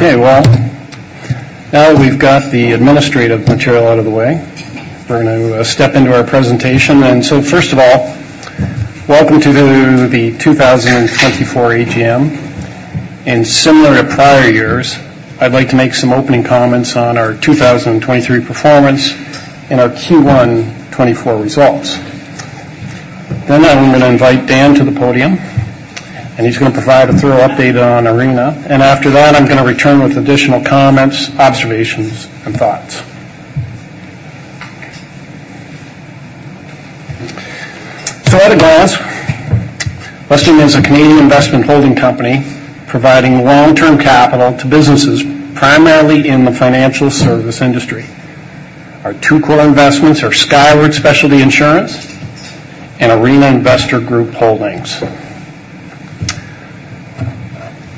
Okay, well, now that we've got the administrative material out of the way, we're going to step into our presentation. And so first of all, welcome to the 2024 AGM. And similar to prior years, I'd like to make some opening comments on our 2023 performance and our Q1 2024 results. Then I'm going to invite Dan to the podium, and he's going to provide a thorough update on Arena. And after that, I'm going to return with additional comments, observations, and thoughts. So at a glance, Westaim is a Canadian investment holding company providing long-term capital to businesses, primarily in the financial service industry. Our two core investments are Skyward Specialty Insurance and Arena Investors Group Holdings.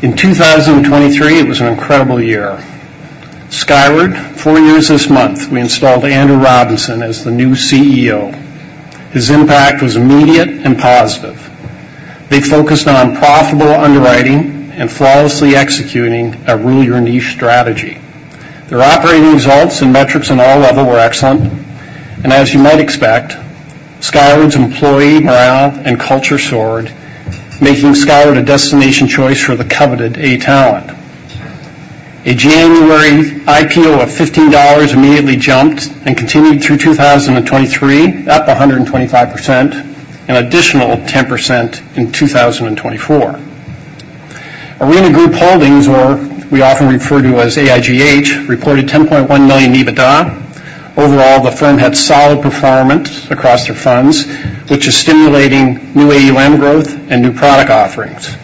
In 2023, it was an incredible year. Skyward, four years this month, we installed Andrew Robinson as the new CEO. His impact was immediate and positive. They focused on profitable underwriting and flawlessly executing a rule-your-niche strategy. Their operating results and metrics on all levels were excellent, and as you might expect, Skyward's employee morale and culture soared, making Skyward a destination choice for the coveted A-talent. A January IPO of $15 immediately jumped and continued through 2023, up 125%, an additional 10% in 2024. Arena Investors Group Holdings, or we often refer to as AIGH, reported $10.1 million EBITDA. Overall, the firm had solid performance across their funds, which is stimulating new AUM growth and new product offerings.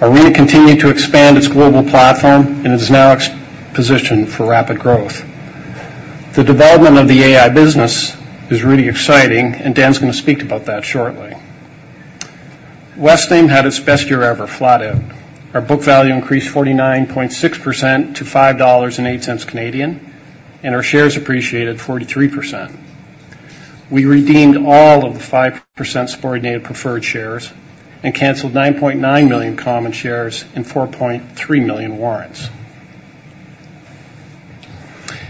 Arena continued to expand its global platform and is now exceptionally positioned for rapid growth. The development of the AI business is really exciting, and Dan's going to speak about that shortly. Westaim had its best year ever, flat out. Our book value increased 49.6% to 5.08 Canadian dollars, and our shares appreciated 43%. We redeemed all of the 5% subordinated preferred shares and canceled 9.9 million common shares and 4.3 million warrants.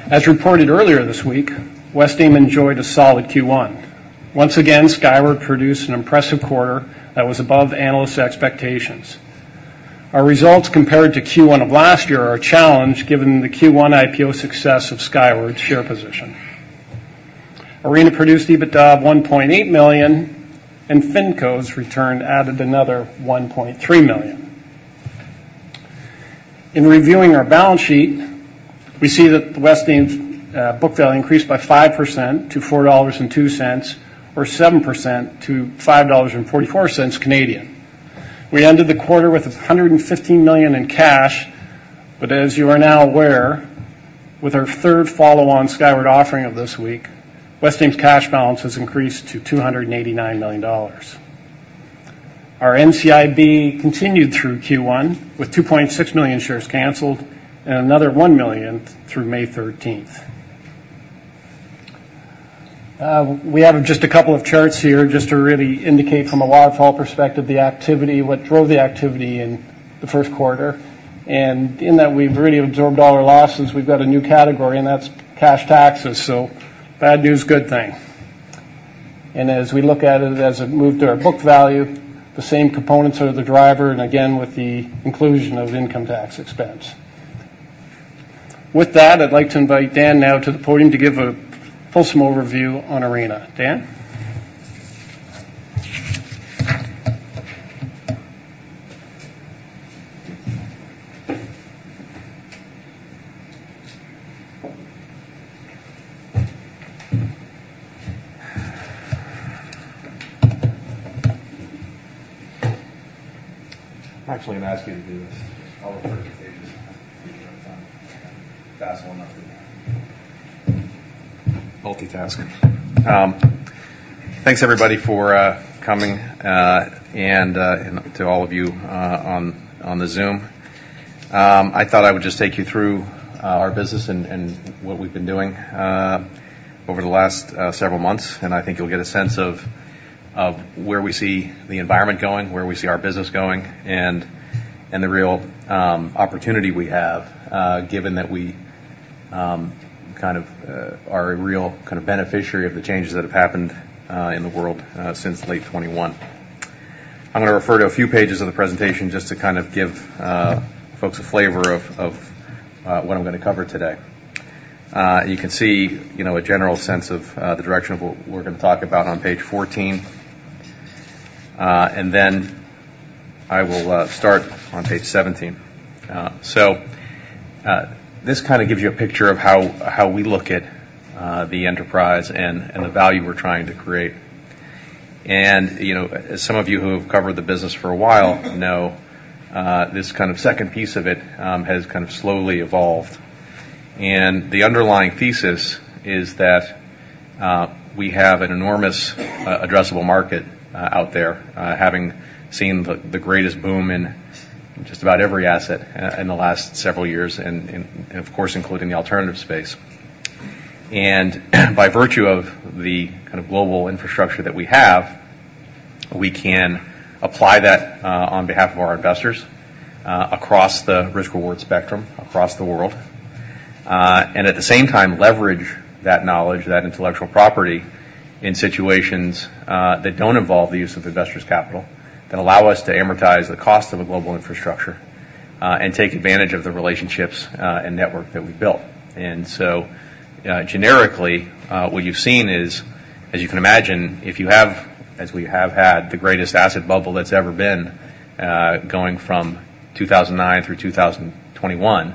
As reported earlier this week, Westaim enjoyed a solid Q1. Once again, Skyward produced an impressive quarter that was above analyst expectations. Our results compared to Q1 of last year are a challenge, given the Q1 IPO success of Skyward's share position. Arena produced EBITDA of $1.8 million, and FinCo's return added another $1.3 million. In reviewing our balance sheet, we see that Westaim's book value increased by 5% to $4.02, or 7% to 5.44 Canadian dollars. We ended the quarter with $115 million in cash, but as you are now aware, with our third follow-on Skyward offering of this week, Westaim's cash balance has increased to $289 million. Our NCIB continued through Q1, with 2.6 million shares canceled and another 1 million through May thirteenth. We have just a couple of charts here just to really indicate from a waterfall perspective, the activity, what drove the activity in the first quarter. In that, we've really absorbed all our losses. We've got a new category, and that's cash taxes. So bad news, good thing. As we look at it, as it moved to our book value, the same components are the driver, and again, with the inclusion of income tax expense. With that, I'd like to invite Dan now to the podium to give a wholesome overview on Arena. Dan? I'm actually going to ask you to do this. I'll refer to pages for you sometimes. Fast enough. Multitasking. Thanks, everybody, for coming and to all of you on the Zoom. I thought I would just take you through our business and what we've been doing over the last several months, and I think you'll get a sense of where we see the environment going, where we see our business going, and the real opportunity we have given that we kind of are a real kind of beneficiary of the changes that have happened in the world since late 2021. I'm going to refer to a few pages of the presentation just to kind of give folks a flavor of what I'm going to cover today. You can see, you know, a general sense of the direction of what we're going to talk about on page 14. And then I will start on page 17. So, this kind of gives you a picture of how we look at the enterprise and the value we're trying to create. And, you know, as some of you who have covered the business for a while know, this kind of second piece of it has kind of slowly evolved. And the underlying thesis is that we have an enormous addressable market out there, having seen the greatest boom in just about every asset in the last several years and of course, including the alternative space. And by virtue of the kind of global infrastructure that we have-... We can apply that, on behalf of our investors, across the risk-reward spectrum, across the world. And at the same time, leverage that knowledge, that intellectual property, in situations, that don't involve the use of investors' capital, that allow us to amortize the cost of a global infrastructure, and take advantage of the relationships, and network that we've built. And so, generically, what you've seen is, as you can imagine, if you have, as we have had, the greatest asset bubble that's ever been, going from 2009 through 2021,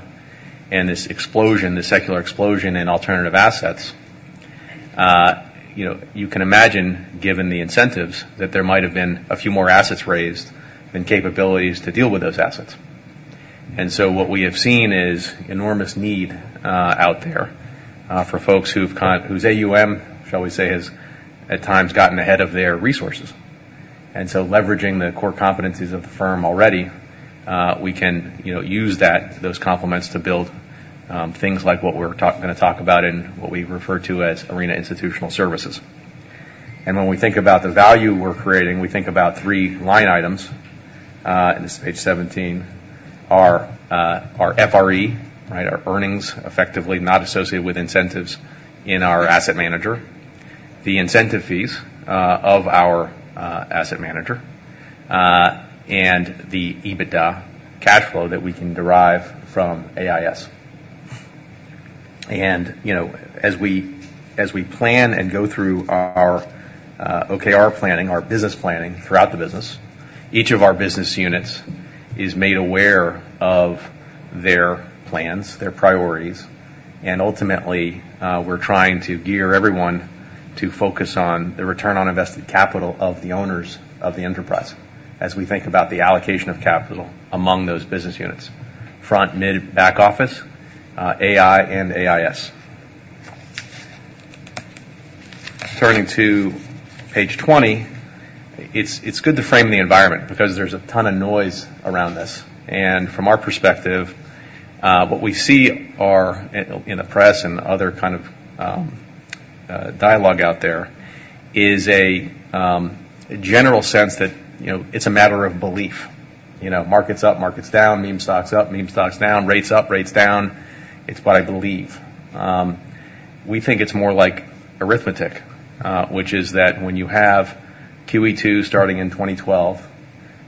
and this explosion, this secular explosion in alternative assets, you know, you can imagine, given the incentives, that there might have been a few more assets raised than capabilities to deal with those assets. And so what we have seen is enormous need out there for folks whose AUM, shall we say, has at times gotten ahead of their resources. And so leveraging the core competencies of the firm already, we can, you know, use that, those complements, to build things like what we're gonna talk about in what we refer to as Arena Institutional Services. And when we think about the value we're creating, we think about three line items, and this is page 17, our FRE, right? Our earnings, effectively not associated with incentives in our asset manager, the incentive fees of our asset manager, and the EBITDA cash flow that we can derive from AIS. And, you know, as we plan and go through our OKR planning, our business planning throughout the business, each of our business units is made aware of their plans, their priorities, and ultimately, we're trying to gear everyone to focus on the return on invested capital of the owners of the enterprise as we think about the allocation of capital among those business units: front, mid, back office, AI, and AIS. Turning to page 20, it's good to frame the environment because there's a ton of noise around this. And from our perspective, what we see are, in the press and other kind of dialogue out there, is a general sense that, you know, it's a matter of belief. You know, market's up, market's down, meme stock's up, meme stock's down, rates up, rates down. It's what I believe. We think it's more like arithmetic, which is that when you have QE2 starting in 2012,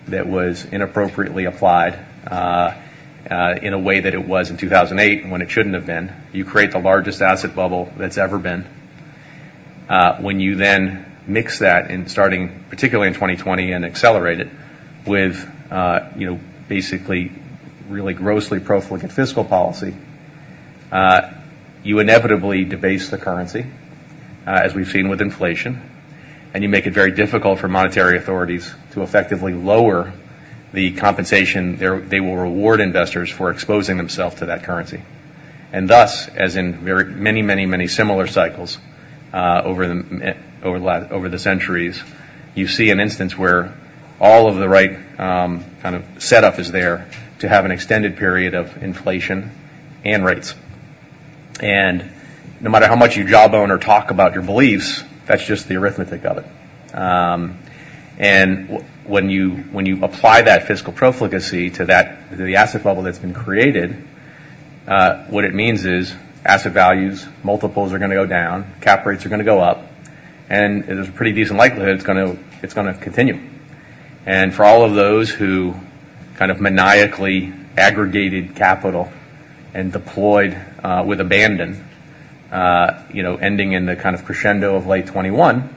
that was inappropriately applied in a way that it was in 2008, when it shouldn't have been, you create the largest asset bubble that's ever been. When you then mix that in starting, particularly in 2020, and accelerate it with, you know, basically, really grossly profligate fiscal policy, you inevitably debase the currency, as we've seen with inflation, and you make it very difficult for monetary authorities to effectively lower the compensation they will reward investors for exposing themselves to that currency. Thus, as in very many, many, many similar cycles, over the centuries, you see an instance where all of the right, kind of setup is there to have an extended period of inflation and rates. And no matter how much you jawbone or talk about your beliefs, that's just the arithmetic of it. And when you apply that fiscal profligacy to that—to the asset level that's been created, what it means is asset values, multiples are gonna go down, cap rates are gonna go up, and there's a pretty decent likelihood it's gonna continue. And for all of those who kind of maniacally aggregated capital and deployed with abandon, you know, ending in the kind of crescendo of late 2021,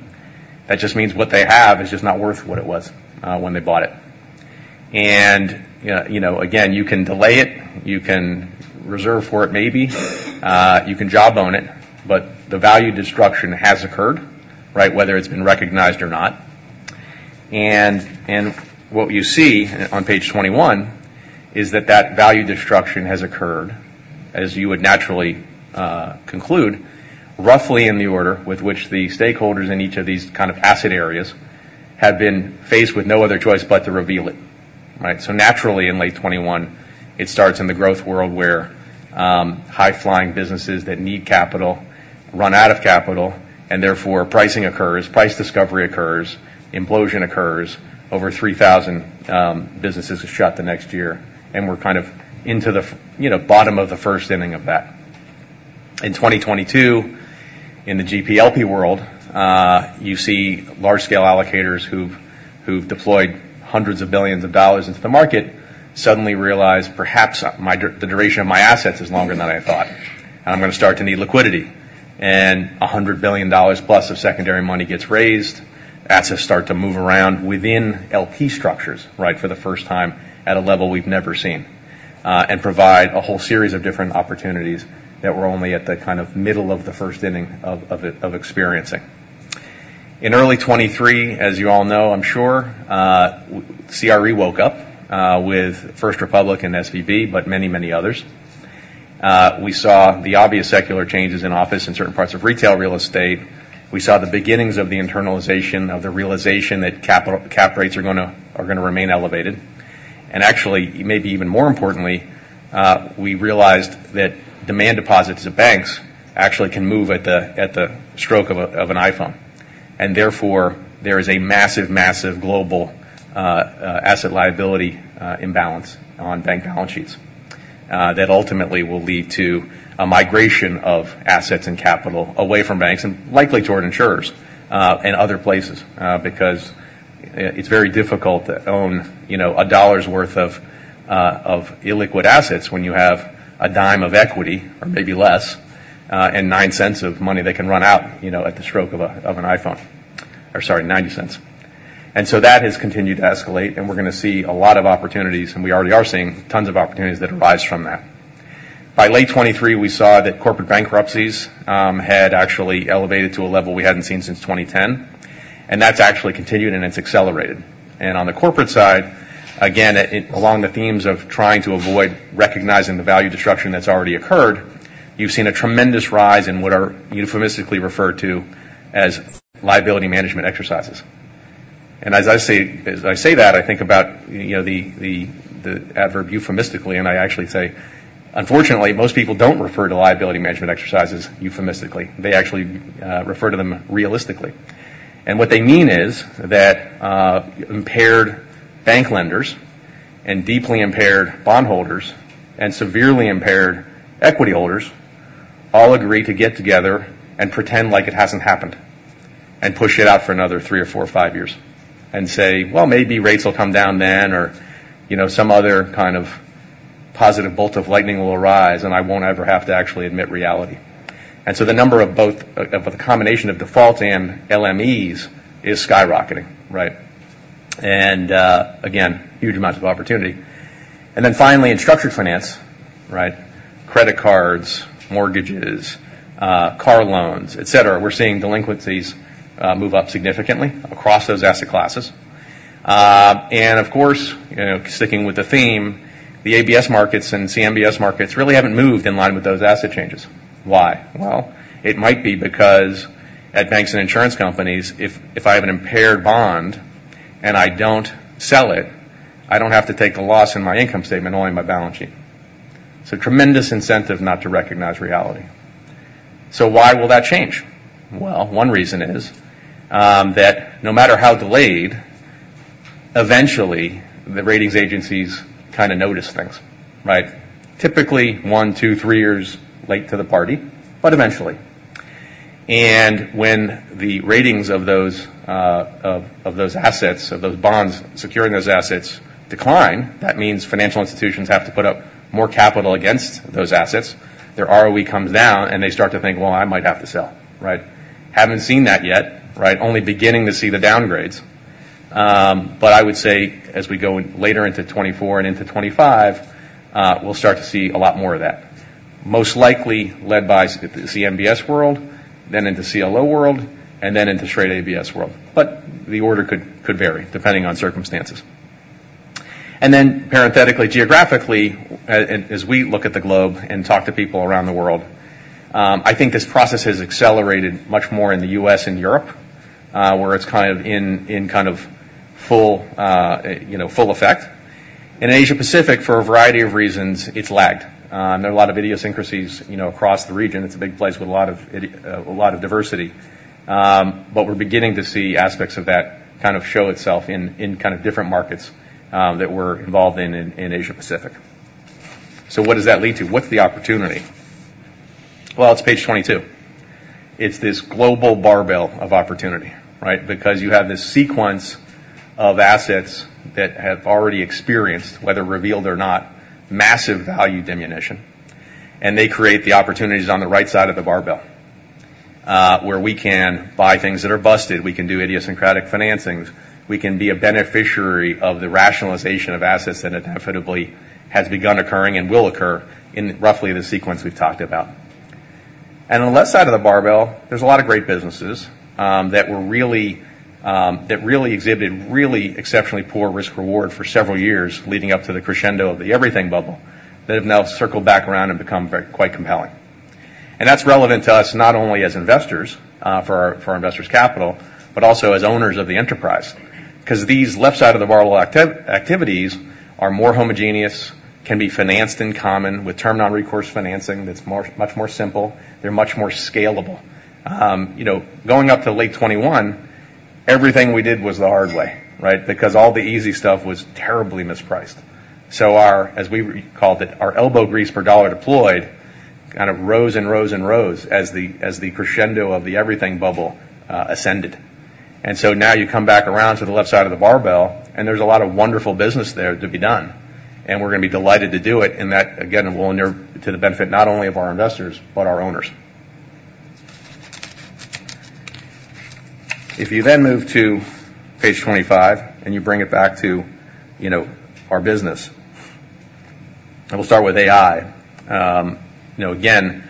that just means what they have is just not worth what it was when they bought it. And, you know, again, you can delay it, you can reserve for it, maybe, you can jawbone it, but the value destruction has occurred, right? Whether it's been recognized or not. And what you see on page 21 is that that value destruction has occurred, as you would naturally conclude, roughly in the order with which the stakeholders in each of these kind of asset areas have been faced with no other choice but to reveal it, right? So naturally, in late 2021, it starts in the growth world, where high-flying businesses that need capital run out of capital, and therefore pricing occurs, price discovery occurs, implosion occurs. Over 3,000 businesses have shut the next year, and we're kind of into the fucking, you know, bottom of the first inning of that. In 2022, in the GP/LP world, you see large-scale allocators who've deployed hundreds of billions of dollars into the market suddenly realize, "Perhaps, my dur-- the duration of my assets is longer than I thought, and I'm gonna start to need liquidity." And $100 billion plus of secondary money gets raised. Assets start to move around within LP structures, right, for the first time at a level we've never seen, and provide a whole series of different opportunities that we're only at the kind of middle of the first inning of, of it, of experiencing. In early 2023, as you all know, I'm sure, CRE woke up with First Republic, SVB but many, many others. We saw the obvious secular changes in office in certain parts of retail real estate. We saw the beginnings of the internalization of the realization that capital... Cap rates are gonna remain elevated. And actually, maybe even more importantly, we realized that demand deposits at banks actually can move at the stroke of an iPhone. Therefore, there is a massive, massive global asset liability imbalance on bank balance sheets that ultimately will lead to a migration of assets and capital away from banks and likely toward insurers and other places because it's very difficult to own, you know, a dollar's worth of illiquid assets when you have a dime of equity, or maybe less, and nine cents of money that can run out, you know, at the stroke of a, of an iPhone, or sorry, ninety cents. And so that has continued to escalate, and we're gonna see a lot of opportunities, and we already are seeing tons of opportunities that arise from that. By late 2023, we saw that corporate bankruptcies had actually elevated to a level we hadn't seen since 2010, and that's actually continued, and it's accelerated. And on the corporate side, again, along the themes of trying to avoid recognizing the value destruction that's already occurred, you've seen a tremendous rise in what are euphemistically referred to as liability management exercises. And as I say, as I say that, I think about, you know, the adverb euphemistically, and I actually say, unfortunately, most people don't refer to liability management exercises euphemistically. They actually refer to them realistically. And what they mean is that, impaired bank lenders and deeply impaired bondholders and severely impaired equity holders all agree to get together and pretend like it hasn't happened, and push it out for another three or four or five years. And say, "Well, maybe rates will come down then," or, you know, some other kind of positive bolt of lightning will arise, and I won't ever have to actually admit reality. And so the number of both of the combination of default and LMEs is skyrocketing, right? And, again, huge amounts of opportunity. And then finally, in structured finance, right, credit cards, mortgages, car loans, et cetera, we're seeing delinquencies move up significantly across those asset classes. And of course, you know, sticking with the theme, the ABS markets and CMBS markets really haven't moved in line with those asset changes. Why? Well, it might be because at banks and insurance companies, if I have an impaired bond and I don't sell it, I don't have to take the loss in my income statement, only my balance sheet. It's a tremendous incentive not to recognize reality. So why will that change? Well, one reason is that no matter how delayed, eventually, the ratings agencies kind of notice things, right? Typically, one, two, three years late to the party, but eventually. And when the ratings of those, of, of those assets, of those bonds securing those assets decline, that means financial institutions have to put up more capital against those assets. Their ROE comes down, and they start to think, "Well, I might have to sell," right? Haven't seen that yet, right? Only beginning to see the downgrades. But I would say, as we go later into 2024 and into 2025, we'll start to see a lot more of that. Most likely led by the CMBS world, then into CLO world, and then into straight ABS world. But the order could vary depending on circumstances. Then parenthetically, geographically, and as we look at the globe and talk to people around the world, I think this process has accelerated much more in the U.S. and Europe, where it's kind of in kind of full, you know, full effect. In Asia Pacific, for a variety of reasons, it's lagged. There are a lot of idiosyncrasies, you know, across the region. It's a big place with a lot of diversity. But we're beginning to see aspects of that kind of show itself in kind of different markets that we're involved in in Asia Pacific. So what does that lead to? What's the opportunity? Well, it's page 22. It's this global barbell of opportunity, right? Because you have this sequence of assets that have already experienced, whether revealed or not, massive value diminution, and they create the opportunities on the right side of the barbell, where we can buy things that are busted, we can do idiosyncratic financings, we can be a beneficiary of the rationalization of assets that definitively has begun occurring and will occur in roughly the sequence we've talked about. On the left side of the barbell, there's a lot of great businesses, that were really, that really exhibited really exceptionally poor risk-reward for several years leading up to the crescendo of the everything bubble, that have now circled back around and become very, quite compelling. That's relevant to us not only as investors, for our, for our investors' capital, but also as owners of the enterprise. Because these left side of the barbell activities are more homogeneous, can be financed in common with term non-recourse financing that's more, much more simple. They're much more scalable. You know, going up to late 2021, everything we did was the hard way, right? Because all the easy stuff was terribly mispriced. So our, as we called it, our elbow grease per dollar deployed, kind of rose and rose and rose as the, as the crescendo of the everything bubble, ascended. And so now you come back around to the left side of the barbell, and there's a lot of wonderful business there to be done, and we're gonna be delighted to do it, and that, again, will endure to the benefit not only of our investors, but our owners. If you then move to page 25, and you bring it back to, you know, our business, and we'll start with AI. You know, again,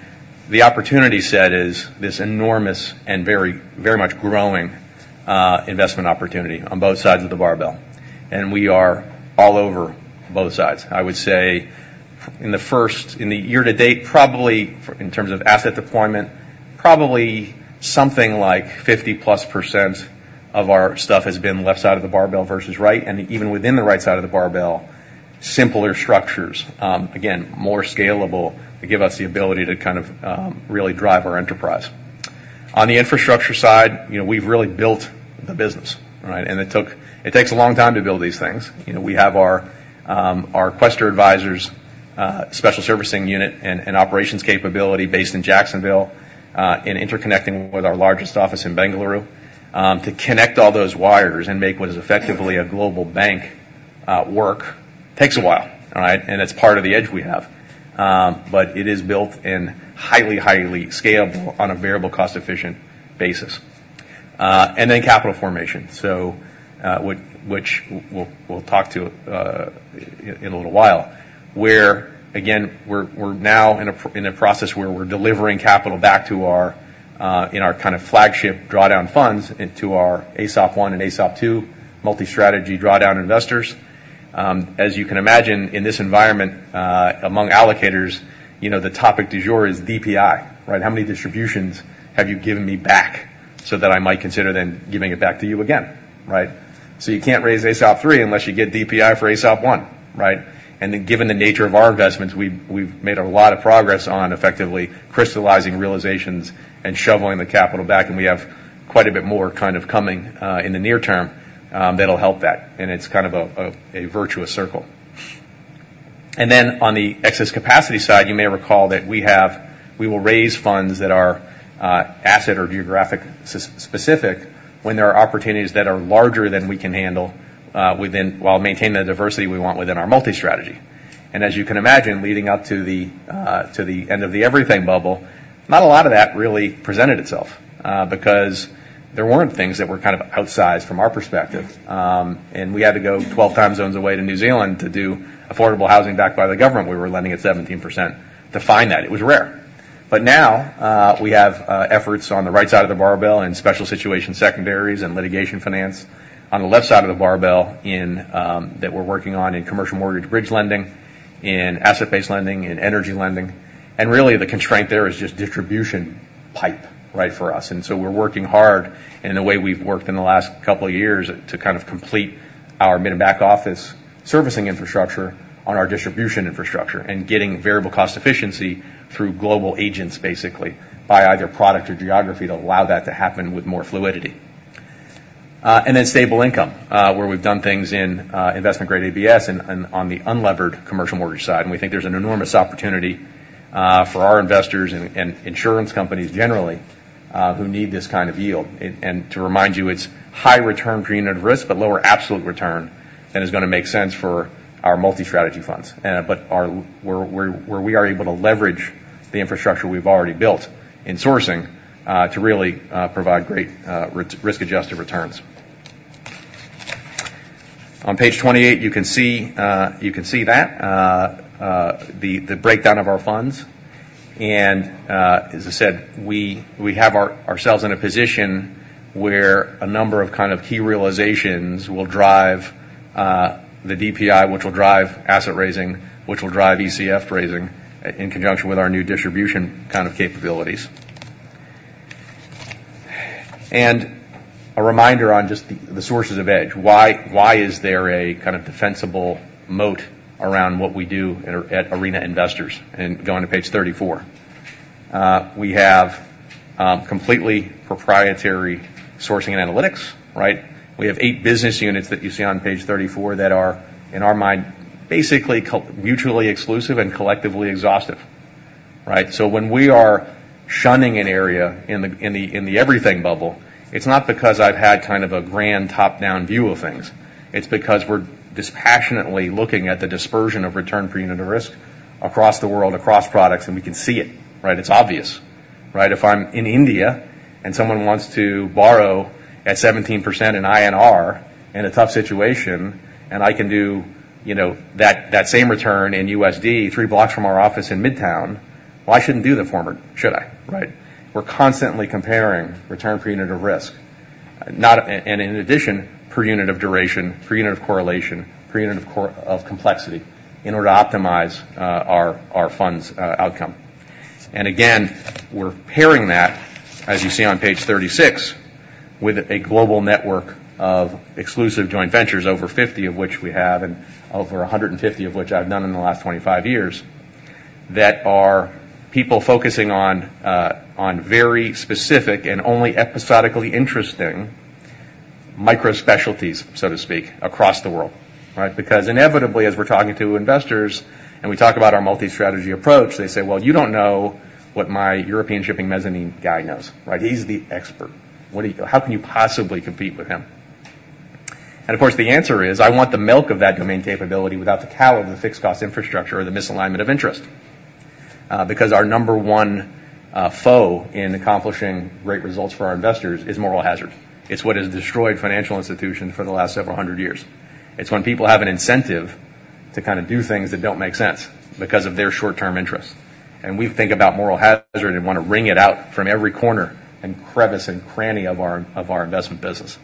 the opportunity set is this enormous and very, very much growing investment opportunity on both sides of the barbell. And we are all over both sides. I would say- in the first, in the year-to-date, probably, in terms of asset deployment, probably something like 50+% of our stuff has been left side of the barbell versus right. And even within the right side of the barbell, simpler structures, again, more scalable, to give us the ability to kind of really drive our enterprise. On the infrastructure side, you know, we've really built the business, right? And it took- it takes a long time to build these things. You know, we have our Quaestor Advisors special servicing unit and operations capability based in Jacksonville, and interconnecting with our largest office in Bengaluru. To connect all those wires and make what is effectively a global bank work takes a while, all right? And it's part of the edge we have. But it is built in highly scalable on a variable cost-efficient basis. And then capital formation. So, which we'll talk to in a little while, where again we're now in a process where we're delivering capital back to our in our kind of flagship drawdown funds into our ASOF One and ASOF Two multi-strategy drawdown investors. As you can imagine, in this environment, among allocators, you know, the topic du jour is DPI, right? How many distributions have you given me back so that I might consider then giving it back to you again, right? So you can't raise ASOF Three unless you get DPI for ASOF One, right? And then, given the nature of our investments, we've made a lot of progress on effectively crystallizing realizations and shoveling the capital back, and we have quite a bit more kind of coming in the near term, that'll help that, and it's kind of a virtuous circle. And then on the excess capacity side, you may recall that we have we will raise funds that are asset or geographic specific when there are opportunities that are larger than we can handle within while maintaining the diversity we want within our multi-strategy. As you can imagine, leading up to the end of the everything bubble, not a lot of that really presented itself, because there weren't things that were kind of outsized from our perspective. And we had to go 12 time zones away to New Zealand to do affordable housing backed by the government. We were lending at 17% to find that. It was rare. But now, we have efforts on the right side of the barbell in special situation secondaries and litigation finance. On the left side of the barbell that we're working on in commercial mortgage bridge lending, in asset-based lending, in energy lending, and really, the constraint there is just distribution pipe, right, for us. And so we're working hard in the way we've worked in the last couple of years, to kind of complete our mid- and back office servicing infrastructure on our distribution infrastructure, and getting variable cost efficiency through global agents, basically, by either product or geography, to allow that to happen with more fluidity. And then stable income, where we've done things in investment-grade ABS and on the unlevered commercial mortgage side. And we think there's an enormous opportunity for our investors and insurance companies generally who need this kind of yield. And to remind you, it's high return per unit of risk, but lower absolute return, and is gonna make sense for our multi-strategy funds. But our where we are able to leverage the infrastructure we've already built in sourcing to really provide great risk-adjusted returns. On page 28, you can see that the breakdown of our funds. And as I said, we have ourselves in a position where a number of kind of key realizations will drive the DPI, which will drive asset raising, which will drive ECF raising, in conjunction with our new distribution kind of capabilities. And a reminder on just the sources of edge. Why is there a kind of defensible moat around what we do at Arena Investors? And going to page 34. We have completely proprietary sourcing and analytics, right? We have eight business units that you see on page 34 that are, in our mind, basically mutually exclusive and collectively exhaustive, right? So when we are shunning an area in the everything bubble, it's not because I've had kind of a grand top-down view of things. It's because we're dispassionately looking at the dispersion of return per unit of risk across the world, across products, and we can see it, right? It's obvious. Right? If I'm in India and someone wants to borrow at 17% in INR in a tough situation, and I can do, you know, that, that same return in USD, 3 blocks from our office in Midtown, why shouldn't do the former, should I? Right. We're constantly comparing return per unit of risk, not... In addition, per unit of duration, per unit of correlation of complexity, in order to optimize our fund's outcome. And again, we're pairing that, as you see on page 36, with a global network of exclusive joint ventures, over 50 of which we have, and over 150 of which I've done in the last 25 years, that are people focusing on very specific and only episodically interesting micro specialties, so to speak, across the world, right? Because inevitably, as we're talking to investors and we talk about our multi-strategy approach, they say, "Well, you don't know what my European shipping mezzanine guy knows," right? "He's the expert. What do you-- How can you possibly compete with him?" And of course, the answer is, I want the milk of that domain capability without the cow of the fixed cost infrastructure or the misalignment of interest. Because our number one foe in accomplishing great results for our investors is moral hazard. It's what has destroyed financial institutions for the last several hundred years. It's when people have an incentive to kind of do things that don't make sense because of their short-term interests. And we think about moral hazard and want to wring it out from every corner and crevice and cranny of our, of our investment business....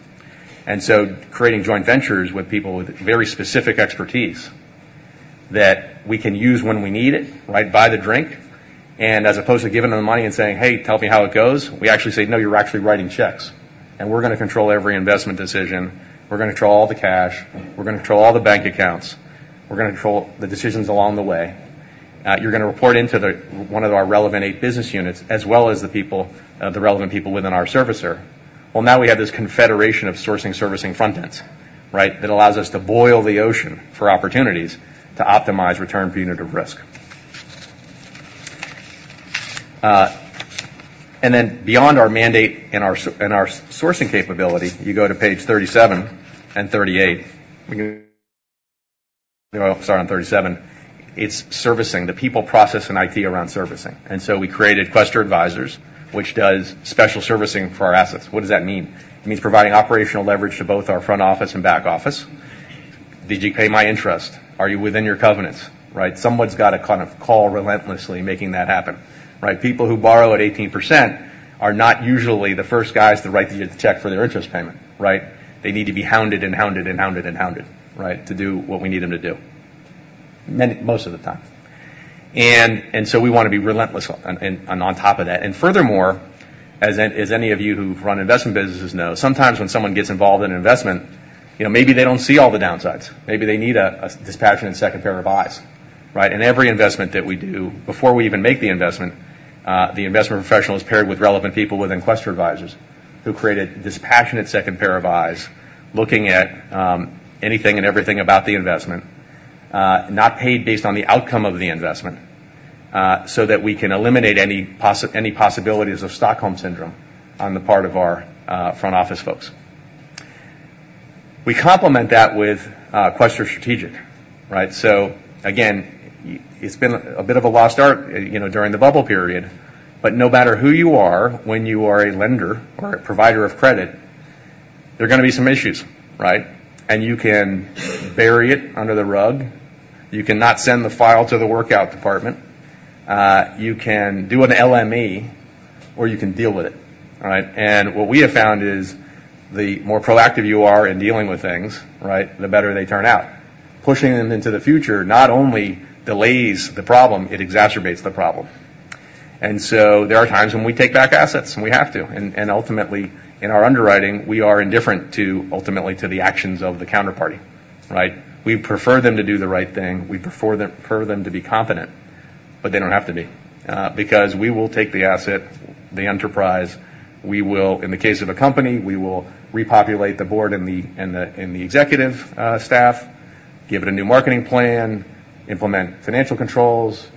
And so creating joint ventures with people with very specific expertise that we can use when we need it, right, by the drink. As opposed to giving them the money and saying, "Hey, tell me how it goes," we actually say, "No, you're actually writing checks, and we're gonna control every investment decision. We're gonna control all the cash. We're gonna control all the bank accounts. We're gonna control the decisions along the way. You're gonna report into the one of our relevant 8 business units, as well as the people, the relevant people within our servicer." Well, now we have this confederation of sourcing, servicing front ends, right? That allows us to boil the ocean for opportunities to optimize return per unit of risk. And then beyond our mandate and our sourcing capability, you go to page 37 and 38. Well, sorry, on 37, it's servicing, the people, process, and IT around servicing. And so we created Quaestor Advisors, which does special servicing for our assets. What does that mean? It means providing operational leverage to both our front office and back office. Did you pay my interest? Are you within your covenants, right? Someone's got to kind of call relentlessly, making that happen, right? People who borrow at 18% are not usually the first guys to write you the check for their interest payment, right? They need to be hounded and hounded and hounded and hounded, right, to do what we need them to do. Most of the time. And so we wanna be relentless on, on, on top of that. And furthermore, as any, as any of you who've run investment businesses know, sometimes when someone gets involved in an investment, you know, maybe they don't see all the downsides. Maybe they need a dispassionate second pair of eyes, right? In every investment that we do, before we even make the investment, the investment professional is paired with relevant people within Quaestor Advisors, who created dispassionate second pair of eyes, looking at anything and everything about the investment, not paid based on the outcome of the investment, so that we can eliminate any possibilities of Stockholm syndrome on the part of our front office folks. We complement that with Quaestor Strategic, right? So again, it's been a bit of a lost art, you know, during the bubble period. But no matter who you are, when you are a lender or a provider of credit, there are gonna be some issues, right? And you can bury it under the rug. You can not send the file to the workout department. You can do an LME, or you can deal with it, right? And what we have found is, the more proactive you are in dealing with things, right, the better they turn out. Pushing them into the future not only delays the problem, it exacerbates the problem. And so there are times when we take back assets, and we have to. And ultimately, in our underwriting, we are indifferent ultimately to the actions of the counterparty, right? We prefer them to do the right thing. We prefer them, prefer them to be competent, but they don't have to be, because we will take the asset, the enterprise. We will. In the case of a company, we will repopulate the board and the executive staff, give it a new marketing plan, implement financial controls,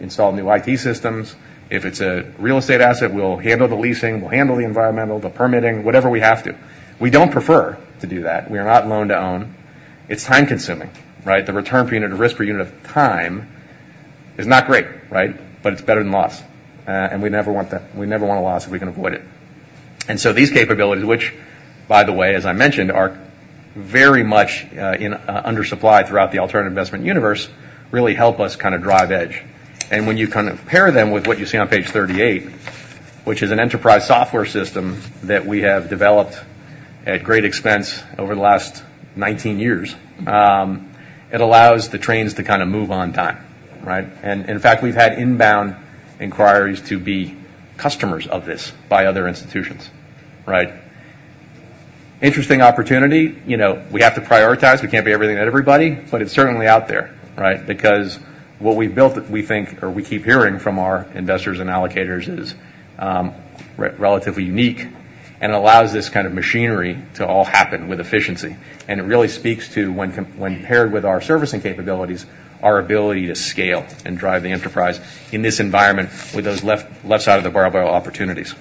install new IT systems. If it's a real estate asset, we'll handle the leasing, we'll handle the environmental, the permitting, whatever we have to. We don't prefer to do that. We are not loan to own. It's time-consuming, right? The return per unit of risk, per unit of time is not great, right? But it's better than loss, and we never want that. We never want a loss if we can avoid it. And so these capabilities, which, by the way, as I mentioned, are very much in under supply throughout the alternative investment universe, really help us kind of drive edge. And when you kind of pair them with what you see on page 38, which is an enterprise software system that we have developed at great expense over the last 19 years, it allows the trains to kind of move on time, right? In fact, we've had inbound inquiries to be customers of this by other institutions, right? Interesting opportunity. You know, we have to prioritize. We can't be everything to everybody, but it's certainly out there, right? Because what we built, we think, or we keep hearing from our investors and allocators, is relatively unique and allows this kind of machinery to all happen with efficiency. And it really speaks to when paired with our servicing capabilities, our ability to scale and drive the enterprise in this environment with those left side of the barbell opportunities.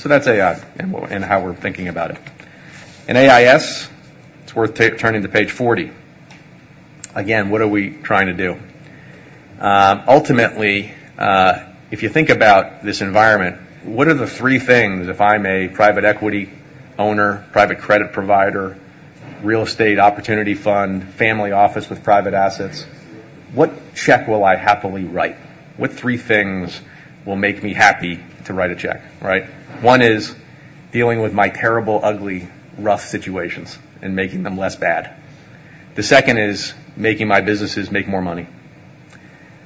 So that's AI, and how we're thinking about it. In AIS, it's worth turning to page 40. Again, what are we trying to do? Ultimately, if you think about this environment, what are the three things if I'm a private equity owner, private credit provider, real estate opportunity fund, family office with private assets, what check will I happily write? What three things will make me happy to write a check, right? One is dealing with my terrible, ugly, rough situations and making them less bad. The second is making my businesses make more money.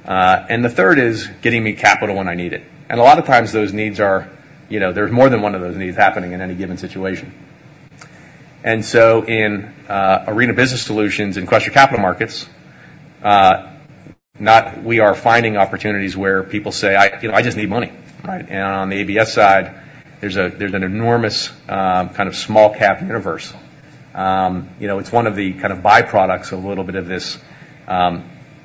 And the third is getting me capital when I need it. And a lot of times, those needs are... You know, there's more than one of those needs happening in any given situation. And so in, Arena Business Solutions, in Quaestor Capital Markets, we are finding opportunities where people say, "I, you know, I just need money," right? On the ABS side, there's an enormous kind of small cap universe. You know, it's one of the kind of byproducts, a little bit of this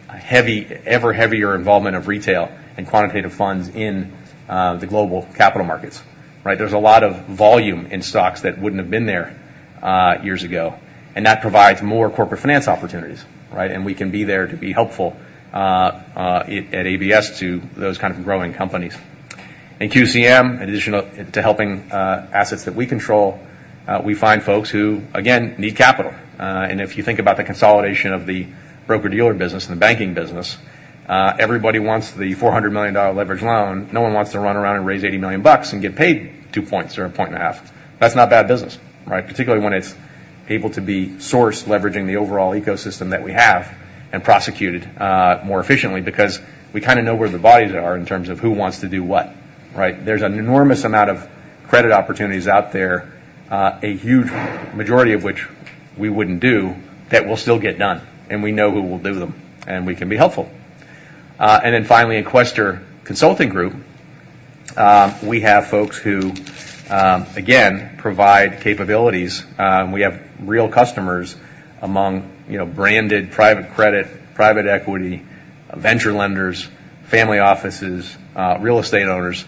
heavy, ever heavier involvement of retail and quantitative funds in the global capital markets, right? There's a lot of volume in stocks that wouldn't have been there years ago, and that provides more corporate finance opportunities, right? We can be there to be helpful at ABS to those kind of growing companies. In QCM, in addition to helping assets that we control, we find folks who, again, need capital. And if you think about the consolidation of the broker-dealer business and the banking business, everybody wants the $400 million leverage loan. No one wants to run around and raise $80 million bucks and get paid 2 points or 1.5 points. That's not bad business, right? Particularly when it's able to be sourced leveraging the overall ecosystem that we have, and prosecuted more efficiently, because we kind of know where the bodies are in terms of who wants to do what, right? There's an enormous amount of credit opportunities out there, a huge majority of which we wouldn't do, that will still get done, and we know who will do them, and we can be helpful. And then finally, in Quaestor Consulting Group, we have folks who, again, provide capabilities. We have real customers among, you know, branded private credit, private equity, venture lenders, family offices, real estate owners,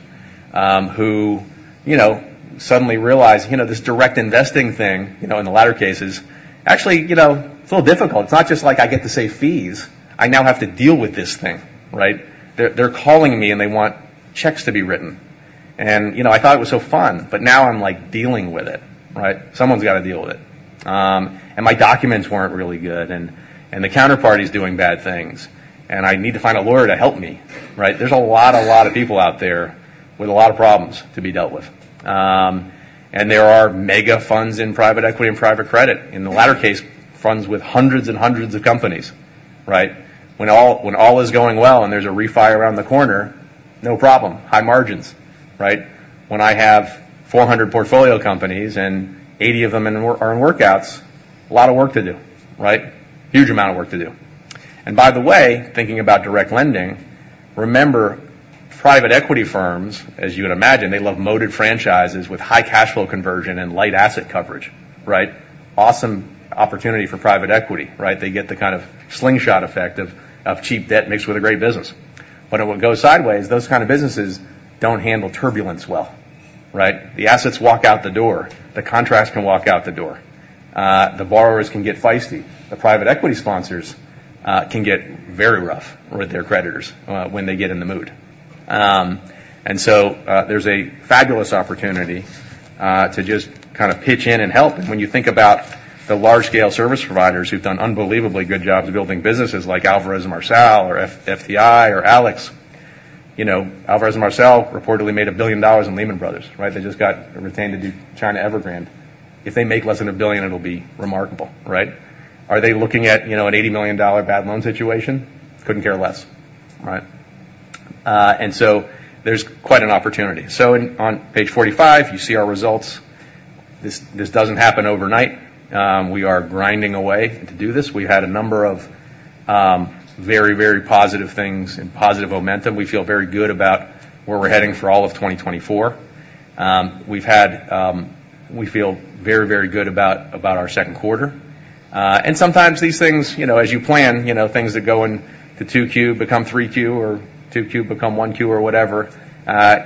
who, you know, suddenly realize, you know, this direct investing thing, you know, in the latter cases, actually, you know, it's a little difficult. It's not just like I get to say fees. I now have to deal with this thing, right? They're, they're calling me, and they want checks to be written. And, you know, I thought it was so fun, but now I'm, like, dealing with it, right? Someone's got to deal with it. And my documents weren't really good, and, and the counterparty is doing bad things, and I need to find a lawyer to help me, right? There's a lot, a lot of people out there with a lot of problems to be dealt with. And there are mega funds in private equity and private credit. In the latter case, funds with hundreds and hundreds of companies, right? When all is going well, and there's a refi around the corner, no problem. High margins, right? When I have 400 portfolio companies and 80 of them are in workouts, a lot of work to do, right? Huge amount of work to do. And by the way, thinking about direct lending, remember, private equity firms, as you would imagine, they love moated franchises with high cash flow conversion and light asset coverage, right? Awesome opportunity for private equity, right? They get the kind of slingshot effect of, of cheap debt mixed with a great business. But it will go sideways. Those kind of businesses don't handle turbulence well, right? The assets walk out the door, the contracts can walk out the door, the borrowers can get feisty. The private equity sponsors can get very rough with their creditors when they get in the mood. And so, there's a fabulous opportunity to just kind of pitch in and help. And when you think about the large scale service providers who've done unbelievably good jobs of building businesses like Alvarez & Marsal or FTI or AlixPartners, you know, Alvarez & Marsal reportedly made $1 billion in Lehman Brothers, right? They just got retained to do China Evergrande. If they make less than $1 billion, it'll be remarkable, right? Are they looking at, you know, an $80 million bad loan situation? Couldn't care less, right? And so there's quite an opportunity. So on page 45, you see our results. This, this doesn't happen overnight. We are grinding away to do this. We've had a number of, very, very positive things and positive momentum. We feel very good about where we're heading for all of 2024. We've had-- we feel very, very good about, about our second quarter. And sometimes these things, you know, as you plan, you know, things that go into 2Q become 3Q, or 2Q become 1Q or whatever.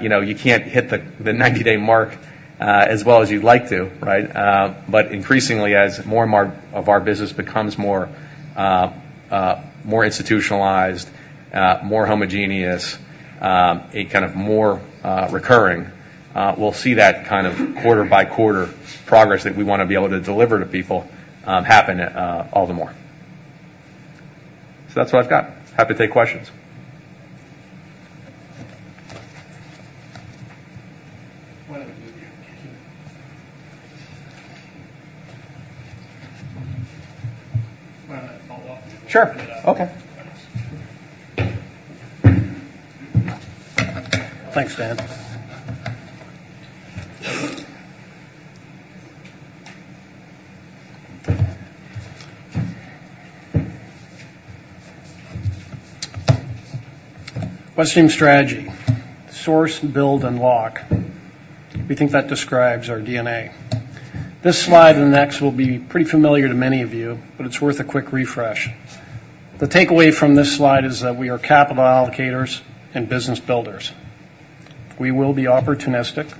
You know, you can't hit the, the 90-day mark, as well as you'd like to, right? But increasingly, as more and more of our business becomes more institutionalized, more homogeneous, a kind of more recurring, we'll see that kind of quarter-by-quarter progress that we want to be able to deliver to people happen all the more. So that's what I've got. Happy to take questions. Sure. Okay. Thanks, Dan. Westaim strategy: Source, build, and unlock. We think that describes our DNA. This slide and the next will be pretty familiar to many of you, but it's worth a quick refresh. The takeaway from this slide is that we are capital allocators and business builders. We will be opportunistic.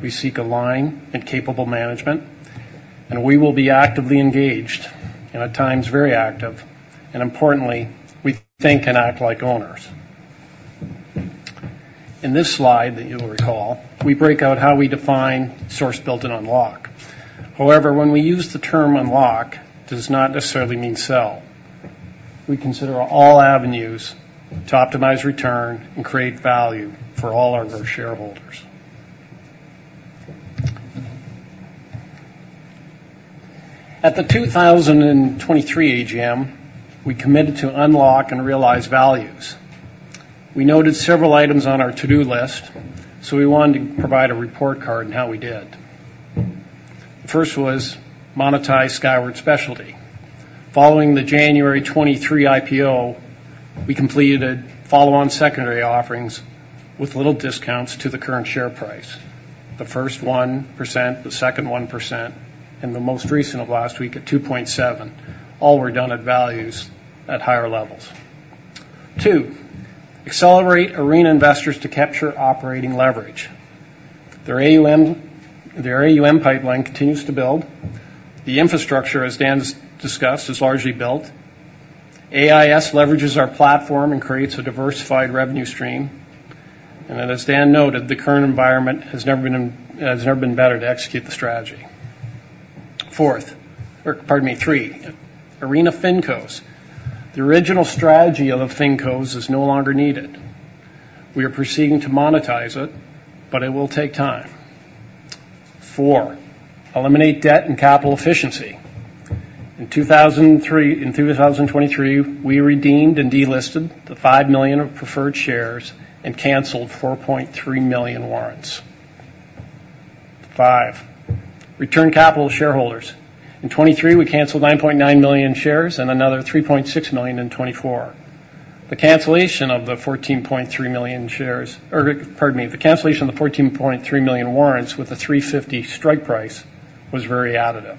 We seek aligned and capable management, and we will be actively engaged, and at times, very active. And importantly, we think and act like owners. In this slide that you'll recall, we break out how we define source, build, and unlock. However, when we use the term unlock, does not necessarily mean sell. We consider all avenues to optimize return and create value for all our shareholders. At the 2023 AGM, we committed to unlock and realize values. We noted several items on our to-do list, so we wanted to provide a report card on how we did. First was monetize Skyward Specialty. Following the January 2023 IPO, we completed follow-on secondary offerings with little discounts to the current share price. The first 1%, the second 1%, and the most recent of last week at 2.7%, all were done at values at higher levels. Two, accelerate Arena Investors to capture operating leverage. Their AUM, their AUM pipeline continues to build. The infrastructure, as Dan discussed, is largely built. AIS leverages our platform and creates a diversified revenue stream. And then, as Dan noted, the current environment has never been better to execute the strategy. Fourth, or pardon me, three. Arena FinCos. The original strategy of the FinCos is no longer needed. We are proceeding to monetize it, but it will take time. Four, eliminate debt and capital efficiency. In 2023, we redeemed and delisted the 5 million of preferred shares and canceled 4.3 million warrants. Five, return capital to shareholders. In 2023, we canceled 9.9 million shares and another 3.6 million in 2024. The cancellation of the 14.3 million shares, or pardon me, the cancellation of the 14.3 million warrants with a 350 strike price was very additive.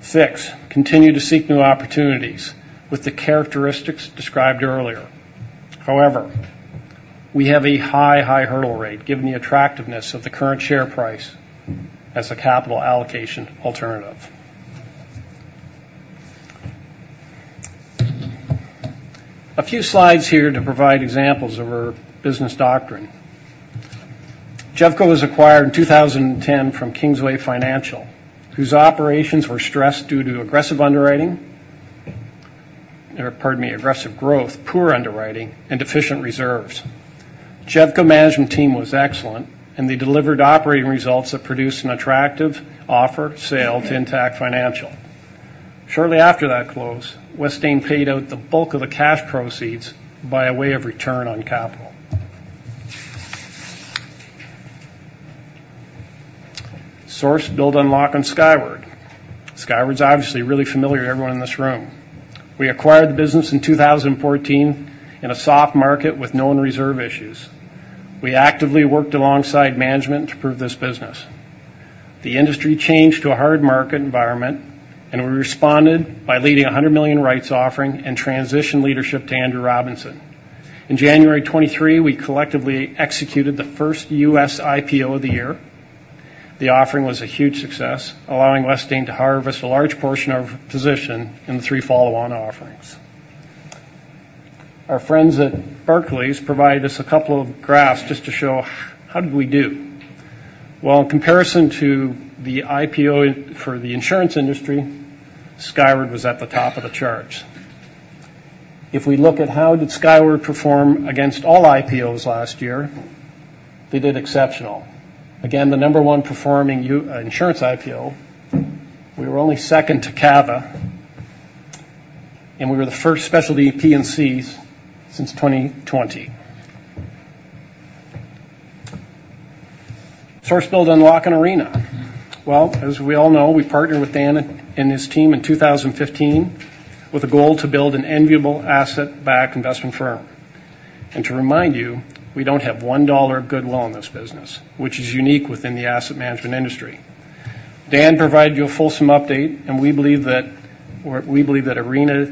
Six, continue to seek new opportunities with the characteristics described earlier. However, we have a high, high hurdle rate, given the attractiveness of the current share price as a capital allocation alternative. A few slides here to provide examples of our business doctrine. JEVCO was acquired in 2010 from Kingsway Financial, whose operations were stressed due to aggressive underwriting. Or pardon me, aggressive growth, poor underwriting, and deficient reserves. JEVCO management team was excellent, and they delivered operating results that produced an attractive offer sale to Intact Financial. Shortly after that close, Westaim paid out the bulk of the cash proceeds by way of return on capital. Source, build, unlock on Skyward. Skyward is obviously really familiar to everyone in this room. We acquired the business in 2014 in a soft market with known reserve issues. We actively worked alongside management to prove this business. The industry changed to a hard market environment, and we responded by leading a $100 million rights offering and transitioned leadership to Andrew Robinson. In January 2023, we collectively executed the first U.S. IPO of the year. The offering was a huge success, allowing Westaim to harvest a large portion of position in the three follow-on offerings. Our friends at Barclays provided us a couple of graphs just to show how did we do. Well, in comparison to the IPO for the insurance industry, Skyward was at the top of the charts. If we look at how did Skyward perform against all IPOs last year, they did exceptional. Again, the number one performing U.S. insurance IPO, we were only second to Cava, and we were the first specialty P&Cs since 2020. Source, build, unlock, and Arena. Well, as we all know, we partnered with Dan and his team in 2015 with a goal to build an enviable asset-backed investment firm. To remind you, we don't have $1 of goodwill in this business, which is unique within the asset management industry. Dan provided you a fulsome update, and we believe that, or we believe that Arena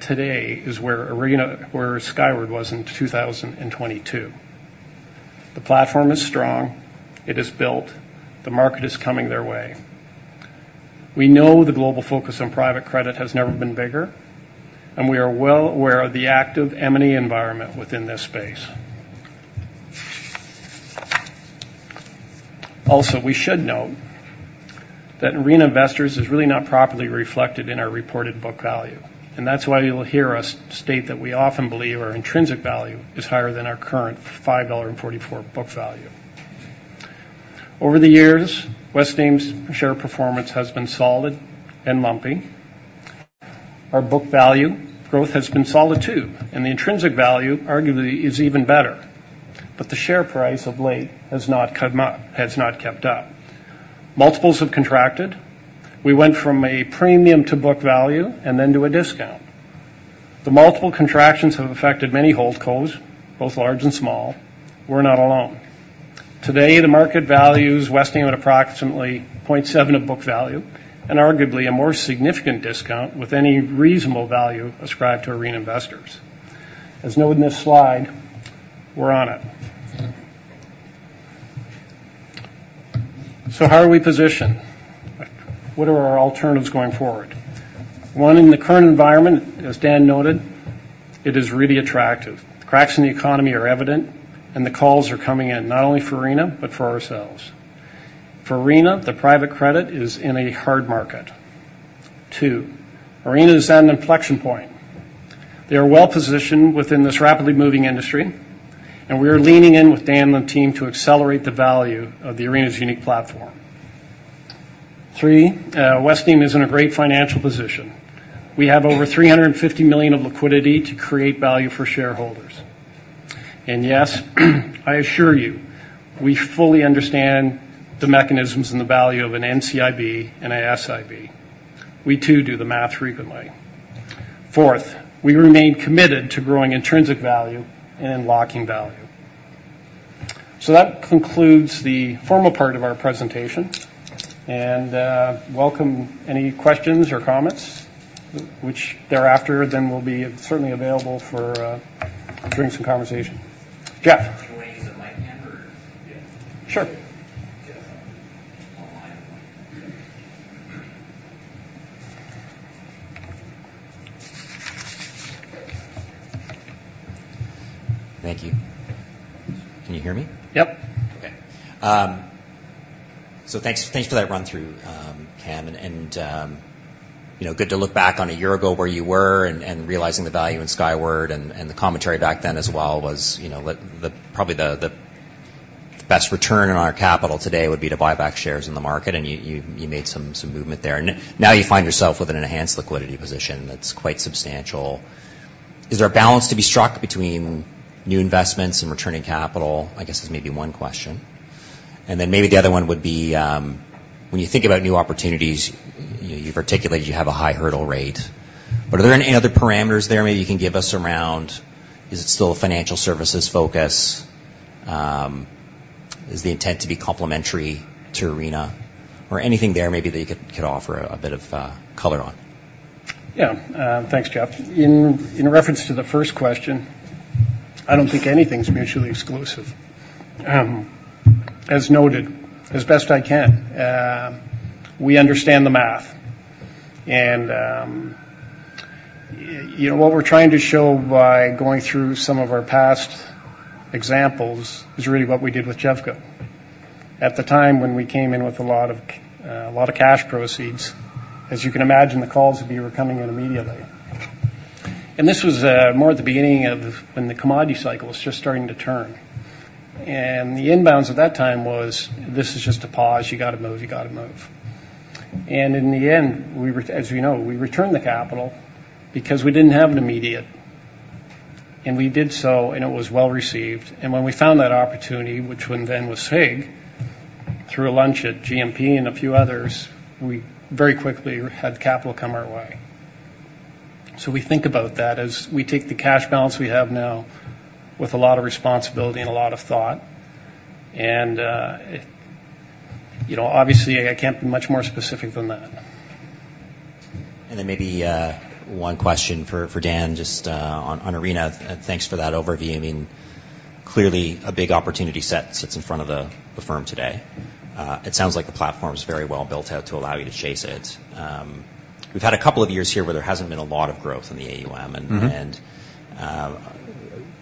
today is where Arena where Skyward was in 2022. The platform is strong, it is built, the market is coming their way. We know the global focus on private credit has never been bigger, and we are well aware of the active M&A environment within this space. Also, we should note that Arena Investors is really not properly reflected in our reported book value, and that's why you'll hear us state that we often believe our intrinsic value is higher than our current 5.44 dollar book value. Over the years, Westaim's share performance has been solid and lumpy. Our book value growth has been solid, too, and the intrinsic value, arguably, is even better. But the share price of late has not cut up has not kept up. Multiples have contracted. We went from a premium to book value and then to a discount. The multiple contractions have affected many holdcos, both large and small. We're not alone. Today, the market values Westaim at approximately 0.7 of book value and arguably a more significant discount with any reasonable value ascribed to Arena Investors. As noted in this slide, we're on it. So how are we positioned? What are our alternatives going forward? One, in the current environment, as Dan noted, it is really attractive. The cracks in the economy are evident, and the calls are coming in not only for Arena, but for ourselves. For Arena, the private credit is in a hard market. Two, Arena is at an inflection point. They are well-positioned within this rapidly moving industry, and we are leaning in with Dan and the team to accelerate the value of the Arena's unique platform. Three, Westaim is in a great financial position. We have over 350 million of liquidity to create value for shareholders. And yes, I assure you, we fully understand the mechanisms and the value of an NCIB and a SIB. We, too, do the math frequently. Fourth, we remain committed to growing intrinsic value and unlocking value. So that concludes the formal part of our presentation, and, welcome any questions or comments, which thereafter, then we'll be certainly available for, doing some conversation. Yeah? Do you want to use the mic, Amber? Sure. Online?... Thank you. Can you hear me? Yep. Okay. So thanks, thanks for that run through, Cam, and, you know, good to look back on a year ago where you were and, and realizing the value in Skyward and, and the commentary back then as well was, you know, the, the probably the, the best return on our capital today would be to buy back shares in the market, and you, you, you made some, some movement there. And now you find yourself with an enhanced liquidity position that's quite substantial. Is there a balance to be struck between new investments and returning capital? I guess is maybe one question. And then maybe the other one would be, when you think about new opportunities, you, you've articulated you have a high hurdle rate. But are there any other parameters there maybe you can give us around, is it still a financial services focus? Is the intent to be complementary to Arena, or anything there maybe that you could offer a bit of color on? Yeah. Thanks, Jeff. In, in reference to the first question, I don't think anything's mutually exclusive. As noted, as best I can, we understand the math. And, you know, what we're trying to show by going through some of our past examples is really what we did with JEVCO. At the time, when we came in with a lot of cash proceeds, as you can imagine, the calls of you were coming in immediately. And this was, more at the beginning of when the commodity cycle was just starting to turn. And the inbounds at that time was, "This is just a pause. You gotta move, you gotta move." And in the end, as you know, we returned the capital because we didn't have an immediate. And we did so, and it was well received. When we found that opportunity, which one then was HIIG, through a lunch at GMP and a few others, we very quickly had capital come our way. We think about that as we take the cash balance we have now with a lot of responsibility and a lot of thought. You know, obviously, I can't be much more specific than that. Then maybe one question for Dan, just on Arena. Thanks for that overview. I mean, clearly, a big opportunity set sits in front of the firm today. It sounds like the platform is very well built out to allow you to chase it. We've had a couple of years here where there hasn't been a lot of growth in the AUM- Mm-hmm. And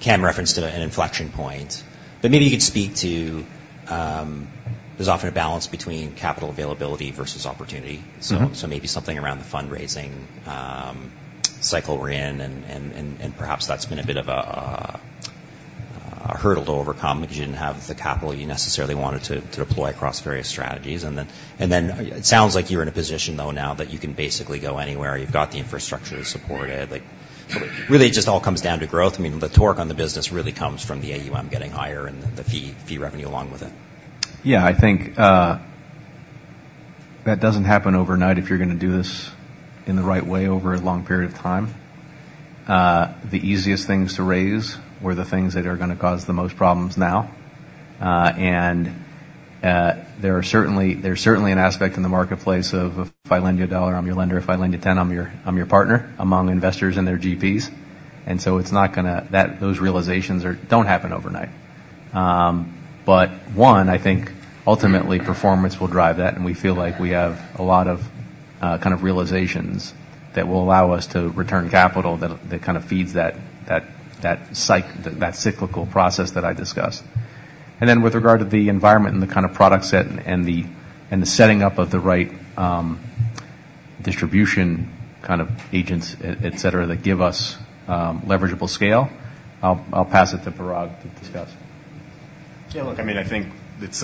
Cam referenced to an inflection point. But maybe you could speak to... There's often a balance between capital availability versus opportunity. Mm-hmm. So, maybe something around the fundraising cycle we're in, and perhaps that's been a bit of a hurdle to overcome because you didn't have the capital you necessarily wanted to deploy across various strategies. And then it sounds like you're in a position, though, now that you can basically go anywhere. You've got the infrastructure to support it. Really, it just all comes down to growth. I mean, the torque on the business really comes from the AUM getting higher and the fee revenue along with it. Yeah, I think, that doesn't happen overnight if you're going to do this in the right way over a long period of time. The easiest things to raise were the things that are going to cause the most problems now. There are certainly—there's certainly an aspect in the marketplace of, if I lend you a dollar, I'm your lender. If I lend you ten, I'm your, I'm your partner, among investors and their GPs. And so it's not gonna. Those realizations don't happen overnight. But one, I think ultimately, performance will drive that, and we feel like we have a lot of kind of realizations that will allow us to return capital that kind of feeds that cyclical process that I discussed. And then with regard to the environment and the kind of product set and the setting up of the right distribution kind of agents, et cetera, that give us leverageable scale, I'll pass it to Parag to discuss. Yeah, look, I mean, I think it's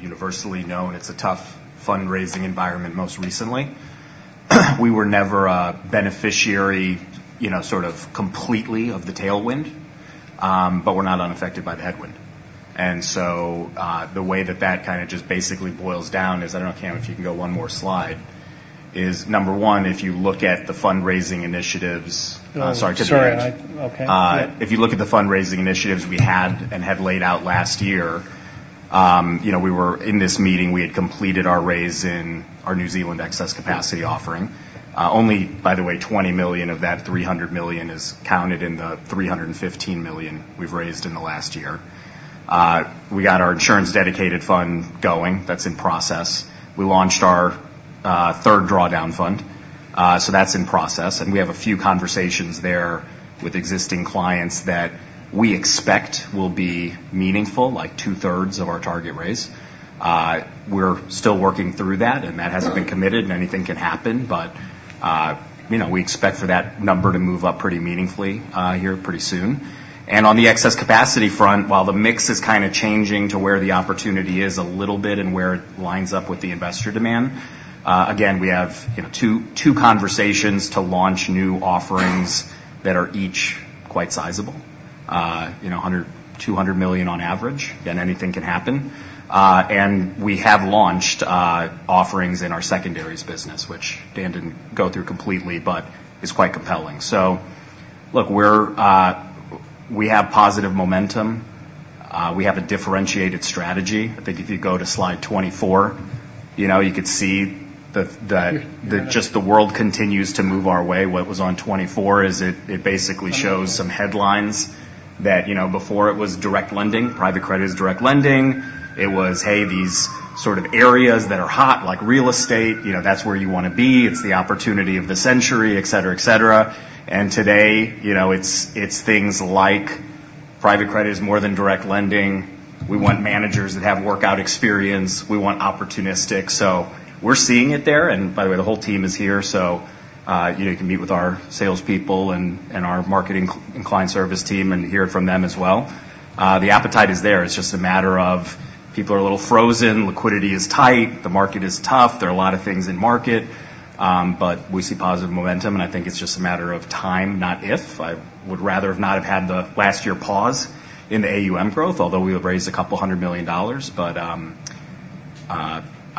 universally known it's a tough fundraising environment most recently. We were never a beneficiary, you know, sort of completely of the tailwind, but we're not unaffected by the headwind. And so, the way that that kind of just basically boils down is... I don't know, Cam, if you can go one more slide. Is, number one, if you look at the fundraising initiatives- Oh, sorry. Sorry, uh- Okay. If you look at the fundraising initiatives we had and had laid out last year, you know, we were in this meeting, we had completed our raise in our New Zealand excess capacity offering. Only, by the way, $20 million of that $300 million is counted in the $315 million we've raised in the last year. We got our insurance-dedicated fund going. That's in process. We launched our third drawdown fund, so that's in process. And we have a few conversations there with existing clients that we expect will be meaningful, like two-thirds of our target raise. We're still working through that, and that hasn't been committed, and anything can happen, but, you know, we expect for that number to move up pretty meaningfully, here pretty soon. On the excess capacity front, while the mix is kind of changing to where the opportunity is a little bit and where it lines up with the investor demand, again, we have, you know, 2, 2 conversations to launch new offerings that are each quite sizable. You know, $100-$200 million on average, then anything can happen. And we have launched offerings in our secondaries business, which Dan didn't go through completely, but is quite compelling. So look, we're—we have positive momentum. We have a differentiated strategy. I think if you go to slide 24, you know, you could see that, that- Yeah. Just the world continues to move our way. What was on 24, is it? It basically shows some headlines that, you know, before it was direct lending, private credit is direct lending. It was, hey, these sort of areas that are hot, like real estate, you know, that's where you want to be. It's the opportunity of the century, et cetera, et cetera. And today, you know, it's, it's things like...... private credit is more than direct lending. We want managers that have workout experience. We want opportunistic. So we're seeing it there. And by the way, the whole team is here, so, you know, you can meet with our salespeople and, and our marketing and client service team and hear it from them as well. The appetite is there. It's just a matter of people are a little frozen, liquidity is tight, the market is tough. There are a lot of things in market, but we see positive momentum, and I think it's just a matter of time, not if. I would rather have not have had the last year pause in the AUM growth, although we have raised a couple hundred million dollars.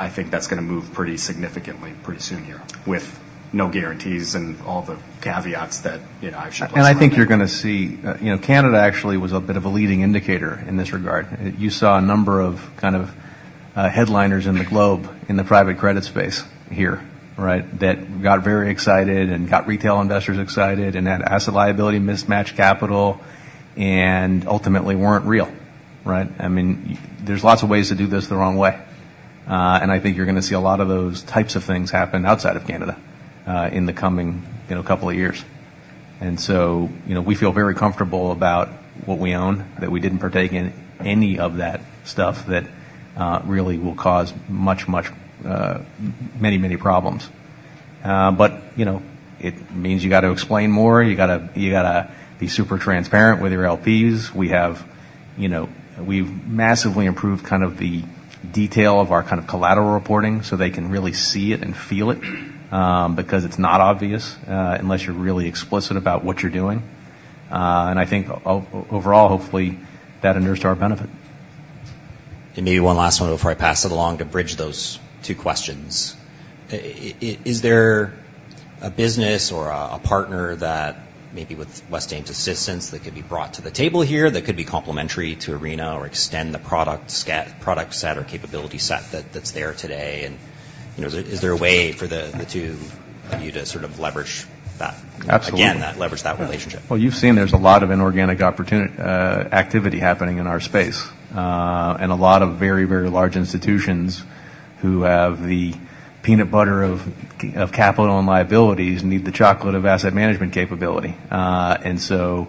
I think that's gonna move pretty significantly pretty soon here, with no guarantees and all the caveats that, you know, I should- And I think you're gonna see, you know, Canada actually was a bit of a leading indicator in this regard. You saw a number of kind of, headliners in the globe in the private credit space here, right? That got very excited and got retail investors excited and had asset liability, mismatched capital, and ultimately weren't real, right? I mean, there's lots of ways to do this the wrong way. And I think you're gonna see a lot of those types of things happen outside of Canada, in the coming, you know, couple of years. And so, you know, we feel very comfortable about what we own, that we didn't partake in any of that stuff that, really will cause much, much, many, many problems. But, you know, it means you got to explain more. You gotta, you gotta be super transparent with your LPs. We have—you know, we've massively improved kind of the detail of our kind of collateral reporting so they can really see it and feel it, because it's not obvious, unless you're really explicit about what you're doing. And I think overall, hopefully, that inures to our benefit. And maybe one last one before I pass it along to bridge those two questions. Is there a business or a partner that maybe with Westaim's assistance, that could be brought to the table here, that could be complementary to Arena or extend the product set or capability set that's there today? And, you know, is there a way for the two of you to sort of leverage that? Absolutely. Again, leverage that relationship. Well, you've seen there's a lot of inorganic opportunity, activity happening in our space, and a lot of very, very large institutions who have the peanut butter of, of capital and liabilities, need the chocolate of asset management capability. And so,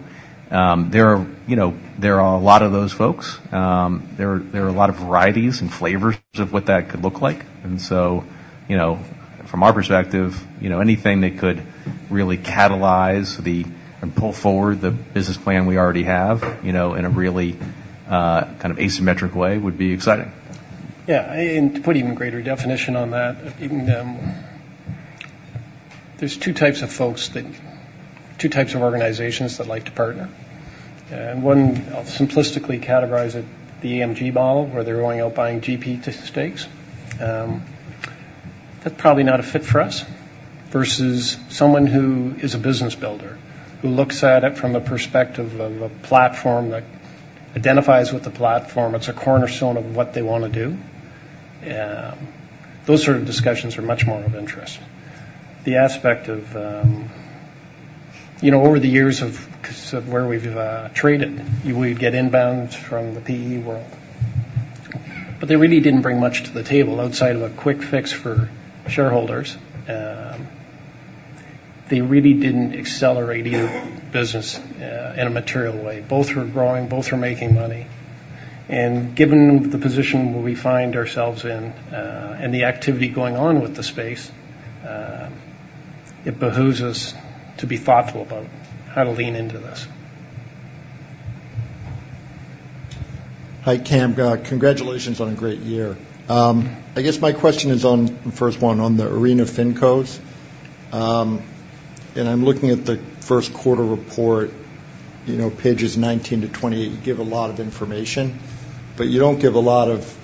there are, you know, there are a lot of those folks. There are, there are a lot of varieties and flavors of what that could look like. And so, you know, from our perspective, you know, anything that could really catalyze the... and pull forward the business plan we already have, you know, in a really, kind of asymmetric way, would be exciting. Yeah, and to put even greater definition on that, there's two types of organizations that like to partner. And one, I'll simplistically categorize it, the AMG model, where they're going out buying GP stakes. That's probably not a fit for us, versus someone who is a business builder, who looks at it from the perspective of a platform, that identifies with the platform. It's a cornerstone of what they want to do. Those sort of discussions are much more of interest. The aspect of, you know, over the years of, kind of where we've traded, we'd get inbounds from the PE world, but they really didn't bring much to the table outside of a quick fix for shareholders. They really didn't accelerate either business in a material way. Both were growing, both were making money. Given the position where we find ourselves in, and the activity going on with the space, it behooves us to be thoughtful about how to lean into this. Hi, Cam. Congratulations on a great year. I guess my question is on the first one, on the Arena FinCos. And I'm looking at the first quarter report, you know, pages 19-28. You give a lot of information, but you don't give a lot of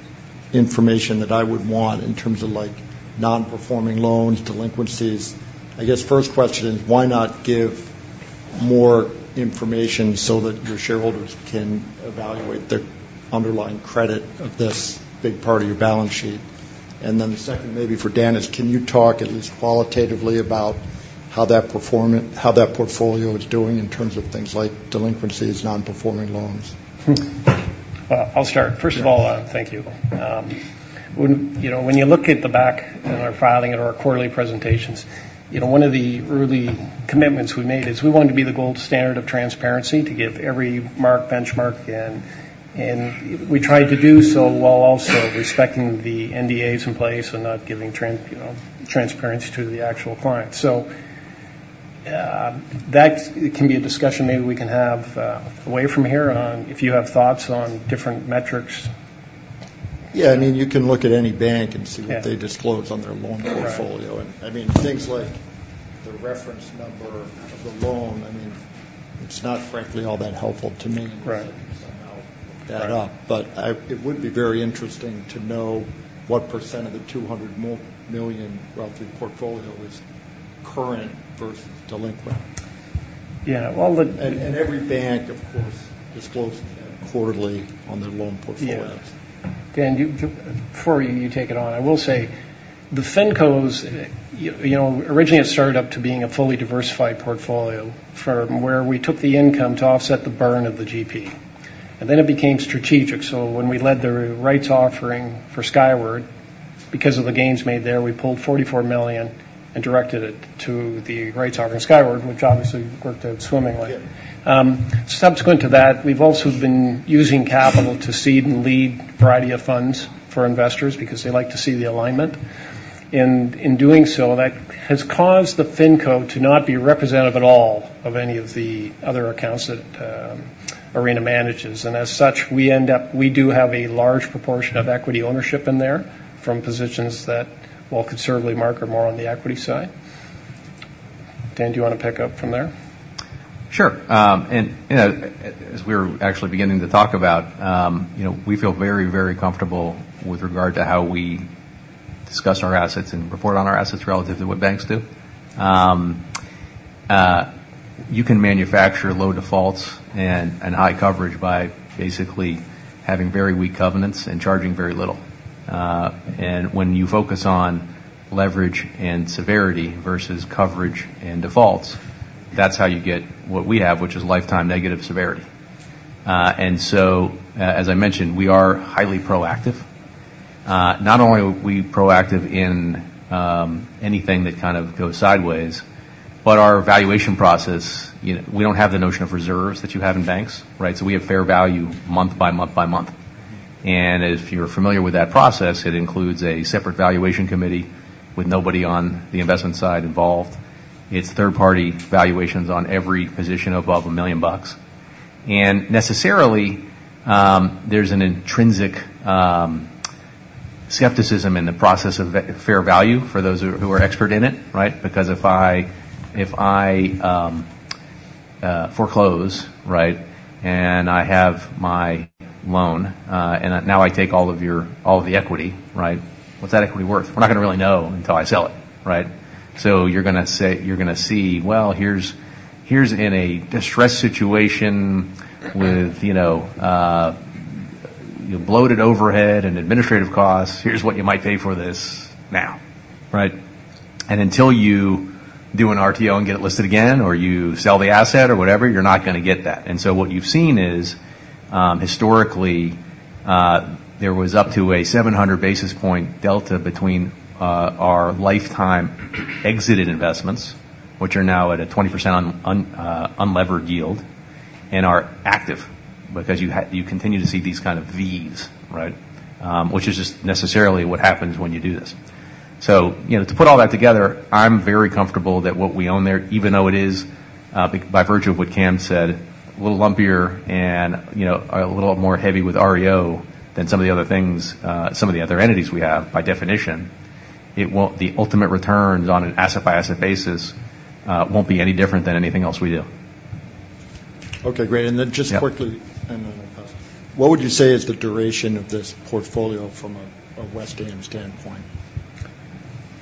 information that I would want in terms of, like, non-performing loans, delinquencies. I guess, first question is, why not give more information so that your shareholders can evaluate the underlying credit of this big part of your balance sheet? And then the second, maybe for Dan, is can you talk at least qualitatively about how that portfolio is doing in terms of things like delinquencies, non-performing loans? Well, I'll start. First of all, thank you. When, you know, when you look at the back of our filing and our quarterly presentations, you know, one of the early commitments we made is we wanted to be the gold standard of transparency, to give every mark, benchmark, and we tried to do so while also respecting the NDAs in place and not giving, you know, transparency to the actual client. So, that can be a discussion maybe we can have away from here on if you have thoughts on different metrics. Yeah, I mean, you can look at any bank and see- Yeah... what they disclose on their loan portfolio. Right. I mean, things like the reference number of the loan, I mean, it's not, frankly, all that helpful to me- Right To somehow look that up. But it would be very interesting to know what % of the 200 million relative portfolio is current versus delinquent. Yeah, well, the- Every bank, of course, discloses that quarterly on their loan portfolios. Yeah. Dan, before you take it on, I will say the FinCos, you know, originally, it started up to being a fully diversified portfolio firm, where we took the income to offset the burn of the GP. And then it became strategic. So when we led the rights offering for Skyward, because of the gains made there, we pulled $44 million and directed it to the rights offering Skyward, which obviously worked out swimmingly. Yeah. Subsequent to that, we've also been using capital to seed and lead a variety of funds for investors because they like to see the alignment. In doing so, that has caused the FinCo to not be representative at all of any of the other accounts that Arena manages. And as such, we end up, we do have a large proportion of equity ownership in there from positions that, well, conservatively mark are more on the equity side. Dan, do you want to pick up from there? Sure. And, you know, as we were actually beginning to talk about, you know, we feel very, very comfortable with regard to how we discuss our assets and report on our assets relative to what banks do. You can manufacture low defaults and high coverage by basically having very weak covenants and charging very little. And when you focus on leverage and severity versus coverage and defaults, that's how you get what we have, which is lifetime negative severity. And so, as I mentioned, we are highly proactive. Not only are we proactive in anything that kind of goes sideways, but our valuation process, you know, we don't have the notion of reserves that you have in banks, right? So we have fair value month by month by month. If you're familiar with that process, it includes a separate valuation committee with nobody on the investment side involved. It's third-party valuations on every position above $1 million. And necessarily, there's an intrinsic skepticism in the process of fair value for those who are expert in it, right? Because if I foreclose, right, and I have my loan, and now I take all of the equity, right, what's that equity worth? We're not gonna really know until I sell it, right? So you're gonna say... You're gonna see, well, here's in a distressed situation with, you know, bloated overhead and administrative costs. Here's what you might pay for this now, right? And until you do an RTO and get it listed again, or you sell the asset or whatever, you're not gonna get that. So what you've seen is, historically, there was up to a 700 basis point delta between our lifetime exited investments, which are now at a 20% on unlevered yield and are active because you continue to see these kind of Vs, right? Which is just necessarily what happens when you do this. So, you know, to put all that together, I'm very comfortable that what we own there, even though it is, by virtue of what Cam said, a little lumpier and, you know, a little more heavy with REO than some of the other things, some of the other entities we have, by definition, it won't, the ultimate returns on an asset-by-asset basis won't be any different than anything else we do. Okay, great. Yeah. And then, just quickly, and then I'll pass it. What would you say is the duration of this portfolio from a Westaim standpoint?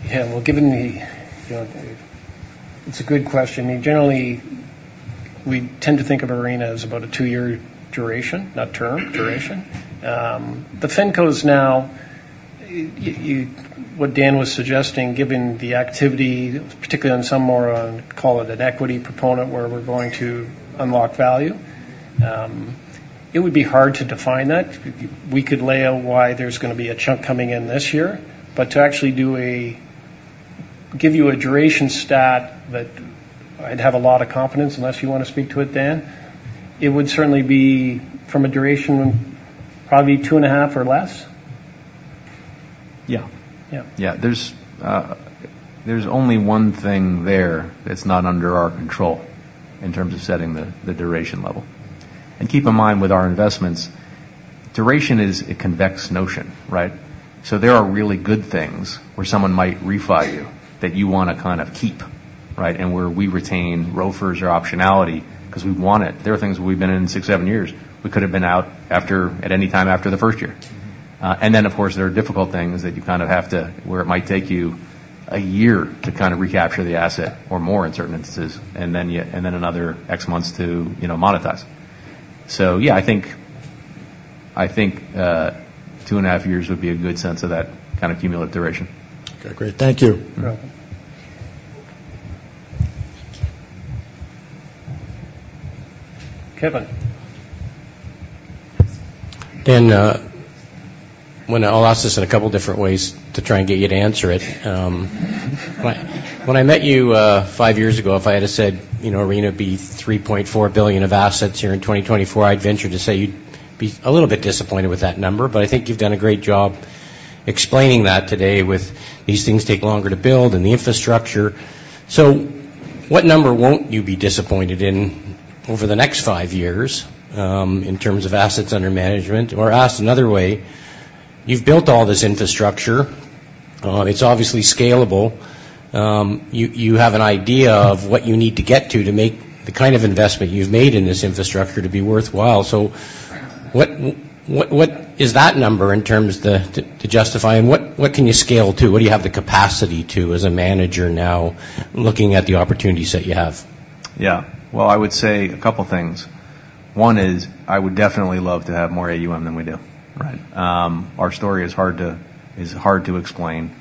Yeah, well, given the, you know... It's a good question. Generally, we tend to think of Arena as about a 2-year duration, not term, duration. The FinCo is now, you—what Dan was suggesting, given the activity, particularly on some more, call it an equity proponent, where we're going to unlock value, it would be hard to define that. We could lay out why there's gonna be a chunk coming in this year, but to actually give you a duration stat that I'd have a lot of confidence, unless you want to speak to it, Dan, it would certainly be from a duration, probably 2.5 or less. Yeah. Yeah. Yeah, there's, there's only one thing there that's not under our control in terms of setting the, the duration level. And keep in mind, with our investments, duration is a convex notion, right? So there are really good things where someone might refi you that you want to kind of keep, right, and where we retain ROFRs or optionality because we want it. There are things we've been in six, seven years. We could have been out at any time after the first year. And then, of course, there are difficult things that you kind of have to... where it might take you a year to kind of recapture the asset or more in certain instances, and then another X months to, you know, monetize. So yeah, I think, I think, 2.5 years would be a good sense of that kind of cumulative duration. Okay, great. Thank you. You're welcome. Kevin. Dan, well, I'll ask this in a couple different ways to try and get you to answer it. When I met you, five years ago, if I had have said, you know, Arena be $3.4 billion of assets here in 2024, I'd venture to say you'd be a little bit disappointed with that number. But I think you've done a great job explaining that today with these things take longer to build and the infrastructure. So what number won't you be disappointed in over the next five years, in terms of assets under management? Or asked another way, you've built all this infrastructure, it's obviously scalable. You have an idea of what you need to get to, to make the kind of investment you've made in this infrastructure to be worthwhile. So what is that number in terms to justify, and what can you scale to? What do you have the capacity to, as a manager now, looking at the opportunities that you have? Yeah. Well, I would say a couple things. One is, I would definitely love to have more AUM than we do. Right. Our story is hard to explain....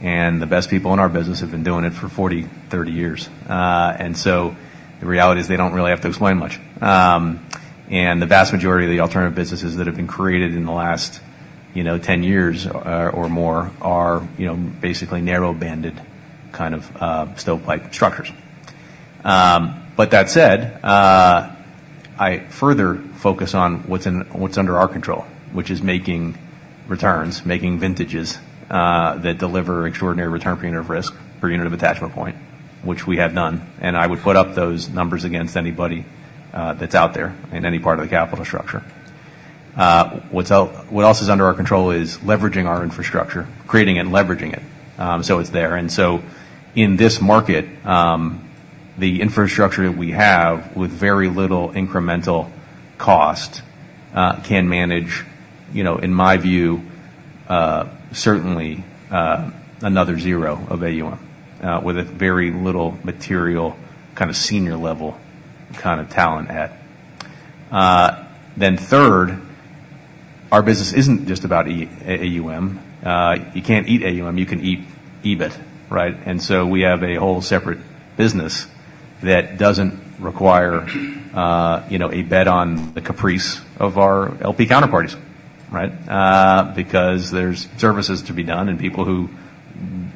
And the best people in our business have been doing it for 40, 30 years. And so the reality is they don't really have to explain much. And the vast majority of the alternative businesses that have been created in the last, you know, 10 years, or more are, you know, basically narrow-banded kind of, stovepipe structures. But that said, I further focus on what's under our control, which is making returns, making vintages, that deliver extraordinary return per unit of risk, per unit of attachment point, which we have done. And I would put up those numbers against anybody, that's out there in any part of the capital structure. What else is under our control is leveraging our infrastructure, creating and leveraging it. So it's there. And so in this market, the infrastructure that we have with very little incremental cost can manage, you know, in my view, certainly another zero of AUM with a very little material, kind of, senior level, kind of, talent at. Then third, our business isn't just about AUM. You can't eat AUM, you can eat EBIT, right? And so we have a whole separate business that doesn't require, you know, a bet on the caprice of our LP counterparties, right? Because there's services to be done and people who,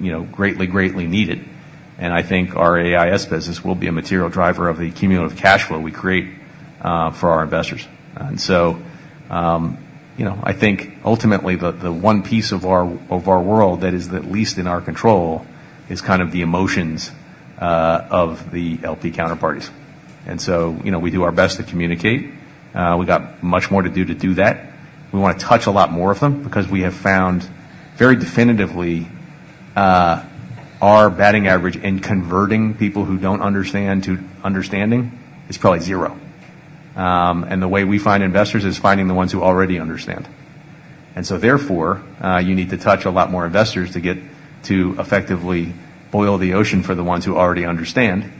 you know, greatly, greatly need it. And I think our AIS business will be a material driver of the cumulative cash flow we create for our investors. You know, I think ultimately, the one piece of our world that is the least in our control is kind of the emotions of the LP counterparties. You know, we do our best to communicate. We got much more to do that. We wanna touch a lot more of them because we have found very definitively our batting average in converting people who don't understand to understanding is probably zero. And the way we find investors is finding the ones who already understand. Therefore, you need to touch a lot more investors to get to effectively boil the ocean for the ones who already understand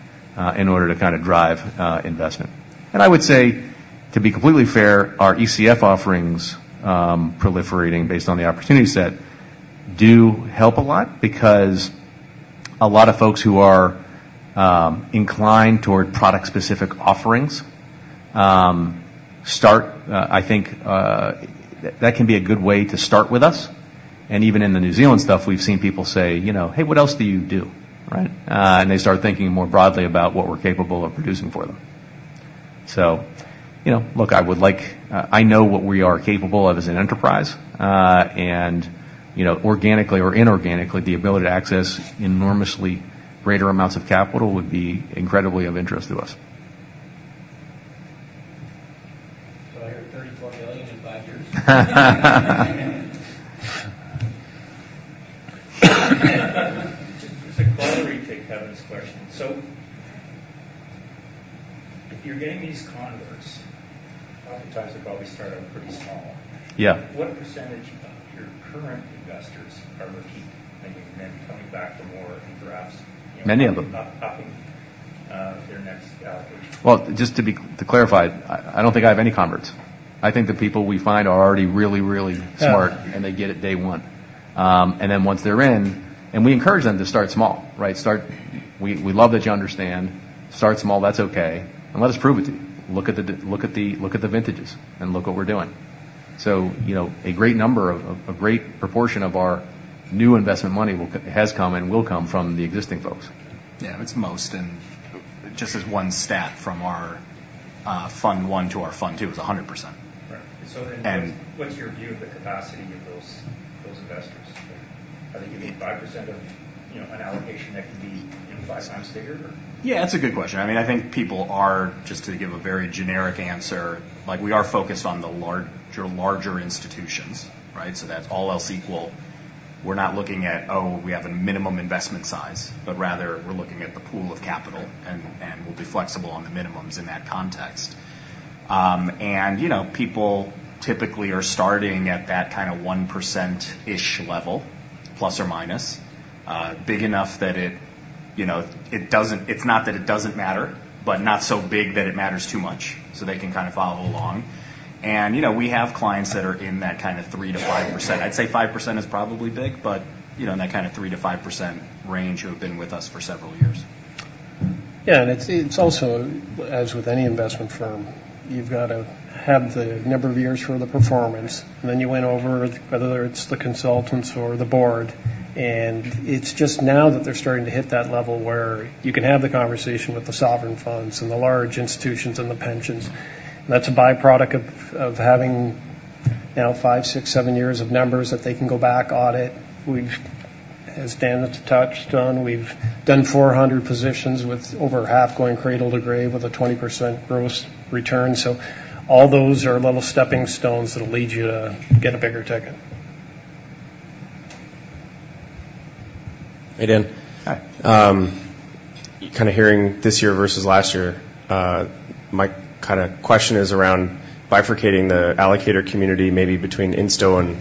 in order to kind of drive investment. And I would say, to be completely fair, our ECF offerings, proliferating based on the opportunity set, do help a lot because a lot of folks who are inclined toward product-specific offerings start. I think that can be a good way to start with us. And even in the New Zealand stuff, we've seen people say, you know, "Hey, what else do you do?" Right? And they start thinking more broadly about what we're capable of producing for them. So, you know, look, I would like. I know what we are capable of as an enterprise. And, you know, organically or inorganically, the ability to access enormously greater amounts of capital would be incredibly of interest to us. So I hear $34 billion in 5 years? Just a quality take Kevin's question. So if you're getting these converts, oftentimes they've probably started pretty small. Yeah. What percentage of your current investors are looking and then coming back for more and perhaps- Many of them. Topping their next allocation? Well, just to clarify, I, I don't think I have any converts. I think the people we find are already really, really smart and they get it day one. And then once they're in. And we encourage them to start small, right? We, we love that you understand. Start small, that's okay, and let us prove it to you. Look at the vintages, and look what we're doing. So, you know, a great proportion of our new investment money has come and will come from the existing folks. Yeah, it's most, and just as one stat from our fund 1 to our fund 2, it's 100%. Right. And- So then, what's your view of the capacity of those investors? I think you mean 5% of, you know, an allocation that can be, you know, 5 times bigger? Yeah, that's a good question. I mean, I think people are, just to give a very generic answer, like, we are focused on the larger, larger institutions, right? So that's all else equal. We're not looking at, oh, we have a minimum investment size, but rather we're looking at the pool of capital, and we'll be flexible on the minimums in that context. And, you know, people typically are starting at that kind of 1%-ish level ±. Big enough that it, you know, it doesn't. It's not that it doesn't matter, but not so big that it matters too much, so they can kind of follow along. And, you know, we have clients that are in that kind of 3%-5%. I'd say 5% is probably big, but, you know, in that kind of 3%-5% range, who have been with us for several years. Yeah, and it's, it's also, as with any investment firm, you've got to have the number of years for the performance. And then you went over, whether it's the consultants or the board, and it's just now that they're starting to hit that level where you can have the conversation with the sovereign funds and the large institutions and the pensions. That's a byproduct of, of having now 5, 6, 7 years of numbers that they can go back, audit. We've, as Dan has touched on, we've done 400 positions with over half going cradle to grave with a 20% gross return. So all those are little stepping stones that'll lead you to get a bigger ticket. Hey, Dan. Hi. Kind of hearing this year versus last year, my kind of question is around bifurcating the allocator community, maybe between insto and,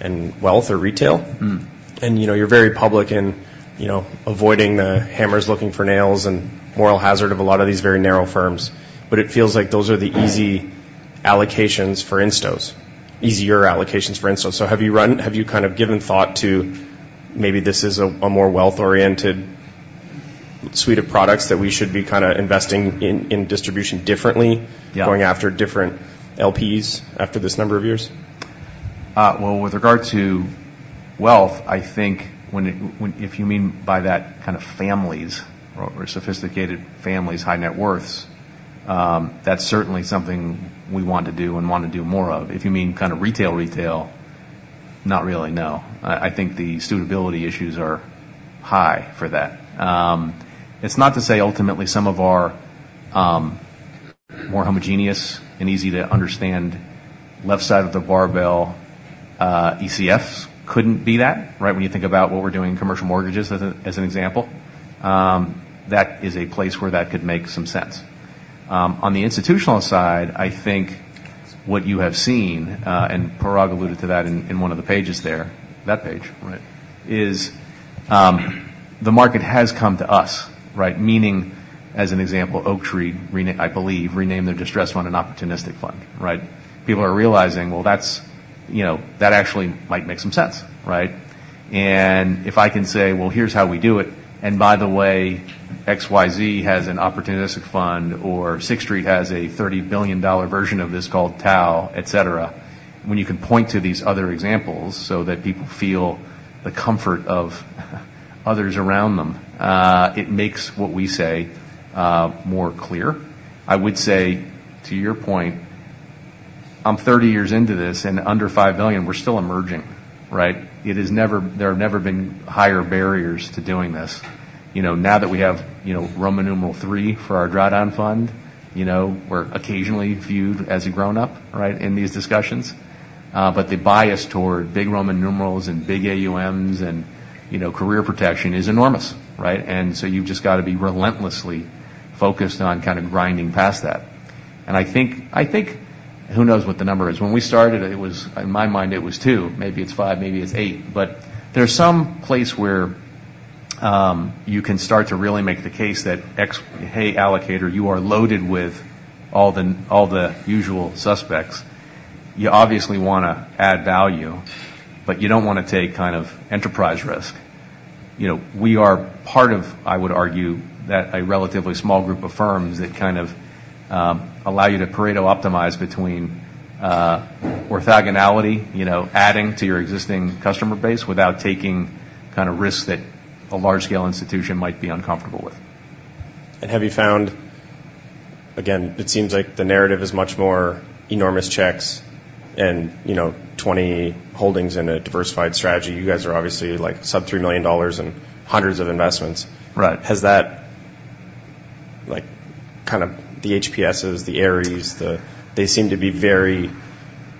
and wealth or retail. Mm-hmm. You know, you're very public in, you know, avoiding the hammers, looking for nails, and moral hazard of a lot of these very narrow firms, but it feels like those are the easy allocations for instos, easier allocations for instos. So have you kind of given thought to maybe this is a more wealth-oriented suite of products that we should be kind of investing in, in distribution differently- Yeah. going after different LPs after this number of years? Well, with regard to wealth, I think if you mean by that kind of families or sophisticated families, high net worths, that's certainly something we want to do and want to do more of. If you mean kind of retail, not really, no. I think the suitability issues are high for that. It's not to say ultimately some of our more homogeneous and easy to understand left side of the barbell, ECFs couldn't be that, right? When you think about what we're doing in commercial mortgages as an example, that is a place where that could make some sense. On the institutional side, I think what you have seen and Parag alluded to that in one of the pages there, that page, right, is the market has come to us, right? Meaning, as an example, Oaktree, I believe, renamed their distressed fund an opportunistic fund, right? People are realizing, well, that's, you know, that actually might make some sense, right? And if I can say: Well, here's how we do it, and by the way, XYZ has an opportunistic fund, or Sixth Street has a $30 billion version of this called TAO, etc. When you can point to these other examples so that people feel the comfort of others around them, it makes what we say more clear. I would say, to your point, I'm 30 years into this, and under $5 billion, we're still emerging, right? There have never been higher barriers to doing this. You know, now that we have, you know, Roman numeral three for our drawdown fund, you know, we're occasionally viewed as a grown-up, right, in these discussions. But the bias toward big Roman numerals and big AUMs and, you know, career protection is enormous, right? And so you've just got to be relentlessly focused on kind of grinding past that. And I think, I think... Who knows what the number is? When we started, it was, in my mind, it was two, maybe it's five, maybe it's eight. But there's some place where you can start to really make the case that "Hey, allocator, you are loaded with all the, all the usual suspects." You obviously wanna add value, but you don't want to take kind of enterprise risk. You know, we are part of, I would argue, that a relatively small group of firms that kind of allow you to Pareto optimize between orthogonality, you know, adding to your existing customer base without taking kind of risk that a large-scale institution might be uncomfortable with. Have you found... Again, it seems like the narrative is much more enormous checks and, you know, 20 holdings in a diversified strategy. You guys are obviously, like, sub-$3 million and hundreds of investments. Right. Has that, like, kind of the HPS's, the Ares, they seem to be very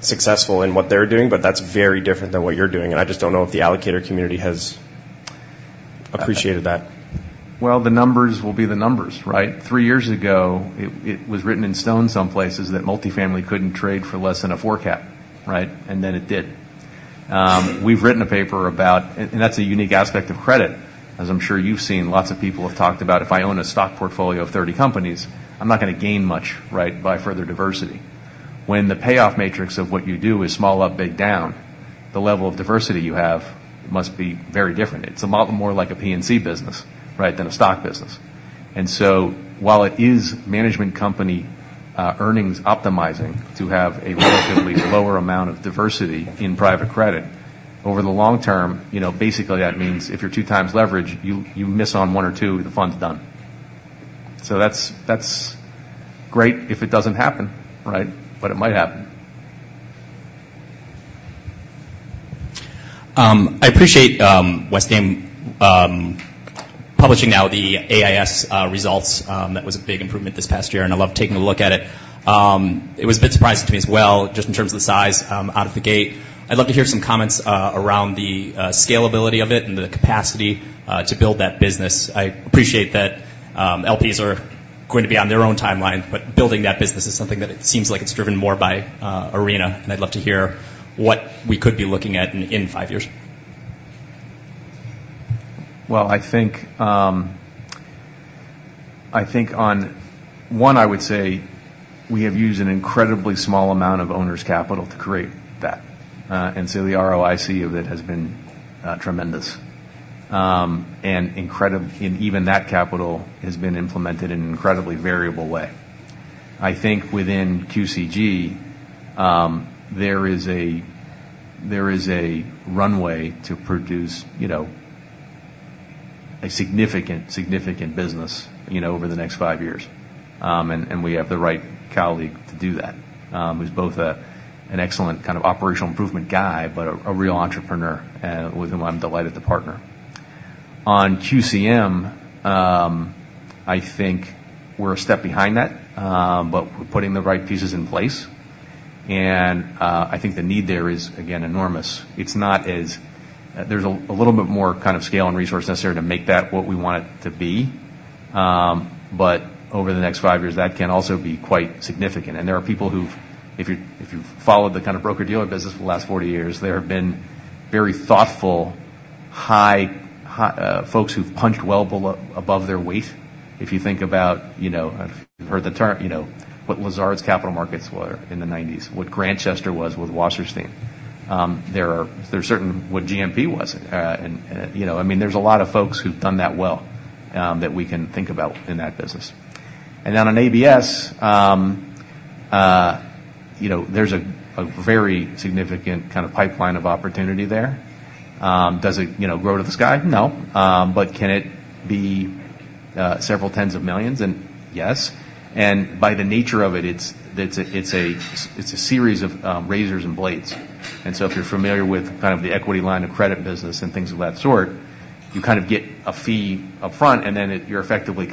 successful in what they're doing, but that's very different than what you're doing, and I just don't know if the allocator community has appreciated that. Well, the numbers will be the numbers, right? Three years ago, it was written in stone some places that multifamily couldn't trade for less than a 4 cap, right? And then it did. We've written a paper about... And that's a unique aspect of credit, as I'm sure you've seen lots of people have talked about, if I own a stock portfolio of 30 companies, I'm not going to gain much, right, by further diversity. When the payoff matrix of what you do is small up, big down, the level of diversity you have must be very different. It's a lot more like a P&C business, right, than a stock business. So while it is management company, earnings optimizing to have a relatively lower amount of diversification in private credit, over the long term, you know, basically, that means if you're 2x leverage, you miss on one or two, the fund's done. So that's great if it doesn't happen, right? But it might happen. I appreciate, Westaim, publishing now the AIS results. That was a big improvement this past year, and I love taking a look at it. It was a bit surprising to me as well, just in terms of the size, out of the gate. I'd love to hear some comments around the scalability of it and the capacity to build that business. I appreciate that LPs are going to be on their own timeline, but building that business is something that it seems like it's driven more by Arena, and I'd love to hear what we could be looking at in five years. Well, I think, I think on... One, I would say we have used an incredibly small amount of owner's capital to create that, and so the ROIC of it has been, tremendous. And incredibly, and even that capital has been implemented in an incredibly variable way. I think within QCG, there is a, there is a runway to produce, you know, a significant, significant business, you know, over the next five years. And, and we have the right colleague to do that, who's both, an excellent kind of operational improvement guy, but a, a real entrepreneur, with whom I'm delighted to partner. On QCM, I think we're a step behind that, but we're putting the right pieces in place, and, I think the need there is, again, enormous. It's not. There's a little bit more kind of scale and resource necessary to make that what we want it to be. But over the next five years, that can also be quite significant. There are people who've, if you've followed the kind of broker-dealer business for the last 40 years, there have been very high folks who've punched well below, above their weight. If you think about, you know, I've heard the term, you know, what Lazard's capital markets were in the 1990s, what Grantchester was with Wasserstein. There are certain what GMP was, and you know, I mean, there's a lot of folks who've done that well, that we can think about in that business. On ABS, you know, there's a very significant kind of pipeline of opportunity there. Does it, you know, grow to the sky? No. But can it be $several tens of millions? Yes. By the nature of it, it's a series of razors and blades. If you're familiar with kind of the equity line of credit business and things of that sort, you kind of get a fee upfront, and then, you're effectively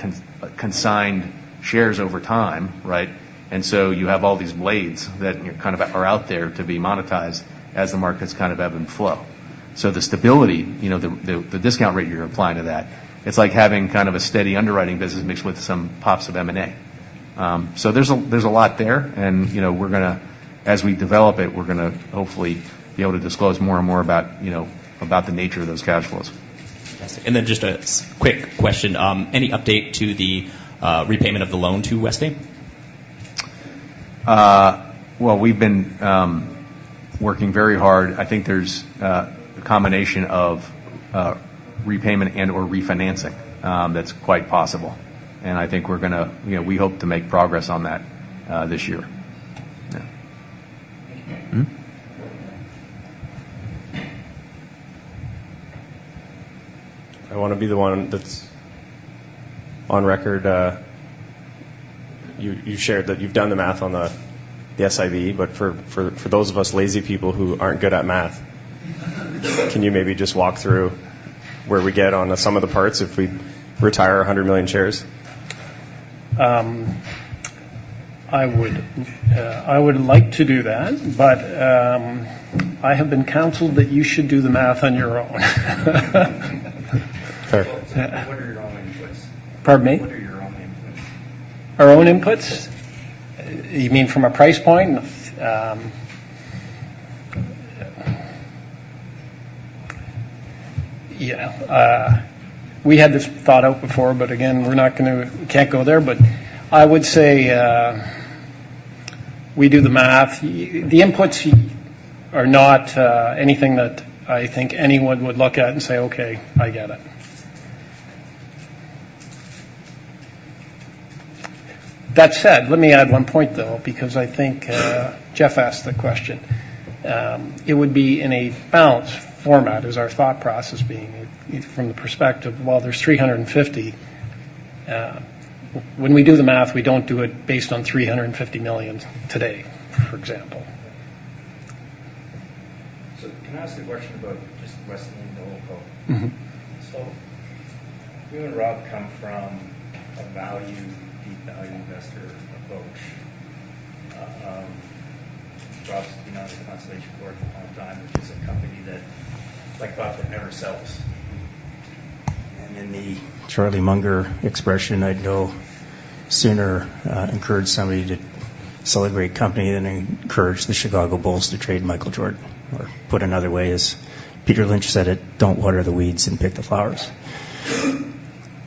consigned shares over time, right? You have all these blades that kind of are out there to be monetized as the markets kind of ebb and flow. The stability, you know, the discount rate you're applying to that, it's like having kind of a steady underwriting business mixed with some pops of M&A. So there's a lot there, and, you know, we're gonna... As we develop it, we're gonna hopefully be able to disclose more and more about, you know, about the nature of those cash flows. Just a quick question. Any update to the repayment of the loan to Westaim? Well, we've been working very hard. I think there's a combination of repayment and/or refinancing that's quite possible. And I think we're gonna, you know, we hope to make progress on that this year. Yeah. Mm-hmm. I want to be the one that's on record. You shared that you've done the math on the SIB, but for those of us lazy people who aren't good at math, can you maybe just walk through where we get on the sum of the parts if we retire 100 million shares? I would like to do that, but I have been counseled that you should do the math on your own. Fair. What are your own inputs? Pardon me? What are your own inputs? Our own inputs? Yes. You mean from a price point? Yeah, we had this thought out before, but again, we're not gonna, we can't go there. But I would say, we do the math. The inputs are not, anything that I think anyone would look at and say, "Okay, I get it." That said, let me add one point, though, because I think, Jeff asked the question. It would be in a balance format, is our thought process being, from the perspective, well, there's 350. When we do the math, we don't do it based on $350 million today, for example. Can I ask a question about just Westaim and the whole quote? Mm-hmm. So you and Rob come from a value, deep value investor approach. Rob's been on the Constellation board for a long time, which is a company that, like, Buffett, never sells. In the Charlie Munger expression, I'd no sooner encourage somebody to sell a great company than encourage the Chicago Bulls to trade Michael Jordan. Or put another way, as Peter Lynch said it, "Don't water the weeds and pick the flowers."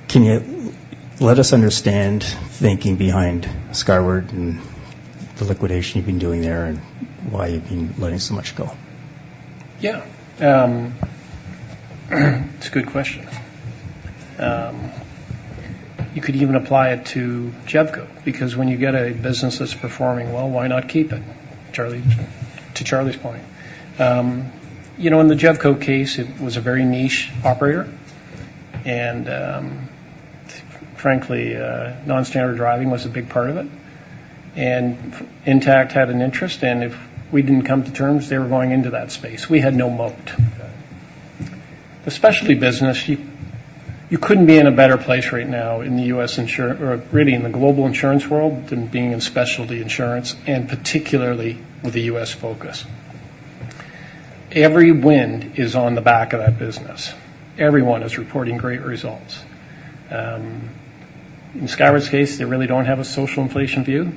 Can you let us understand the thinking behind Skyward and the liquidation you've been doing there, and why you've been letting so much go? Yeah, it's a good question. You could even apply it to JEVCO, because when you get a business that's performing well, why not keep it? Charlie, to Charlie's point. You know, in the JEVCO case, it was a very niche operator, and, frankly, non-standard driving was a big part of it, and Intact had an interest, and if we didn't come to terms, they were going into that space. We had no moat. Got it. The specialty business, you couldn't be in a better place right now in the U.S. insurance, or really in the global insurance world, than being in specialty insurance, and particularly with a U.S. focus. Every wind is on the back of that business. Everyone is reporting great results. In Skyward's case, they really don't have a social inflation view,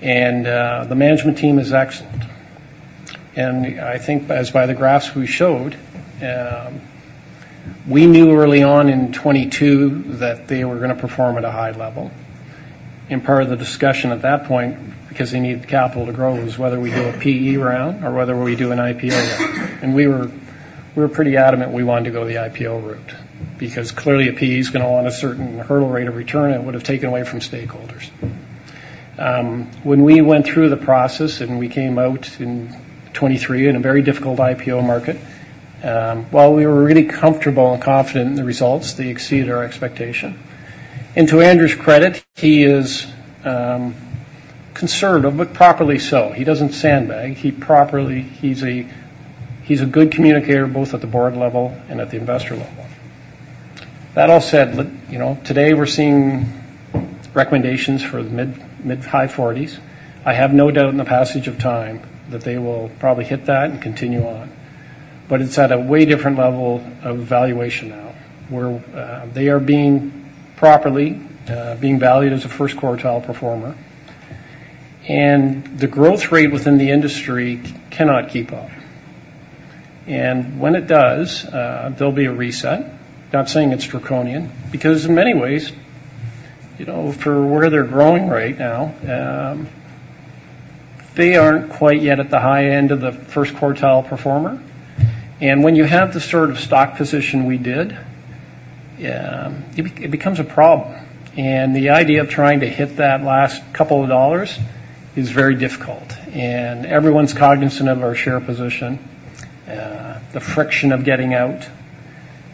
and the management team is excellent. And I think as by the graphs we showed, we knew early on in 2022 that they were gonna perform at a high level. And part of the discussion at that point, because they needed the capital to grow, was whether we do a PE round or whether we do an IPO round. We were, we were pretty adamant we wanted to go the IPO route, because clearly, a PE is gonna want a certain hurdle rate of return, and it would have taken away from stakeholders. When we went through the process and we came out in 2023 in a very difficult IPO market, while we were really comfortable and confident in the results, they exceeded our expectation. And to Andrew's credit, he is conservative, but properly so. He doesn't sandbag. He properly... He's a, he's a good communicator, both at the board level and at the investor level. That all said, you know, today we're seeing recommendations for the mid- to mid-high $40s. I have no doubt in the passage of time that they will probably hit that and continue on, but it's at a way different level of valuation now, where, they are being properly, being valued as a first quartile performer. And the growth rate within the industry cannot keep up. And when it does, there'll be a reset. Not saying it's draconian, because in many ways, you know, for where they're growing right now, they aren't quite yet at the high end of the first quartile performer. And when you have the sort of stock position we did, yeah, it, it becomes a problem. And the idea of trying to hit that last couple of dollars is very difficult. And everyone's cognizant of our share position, the friction of getting out.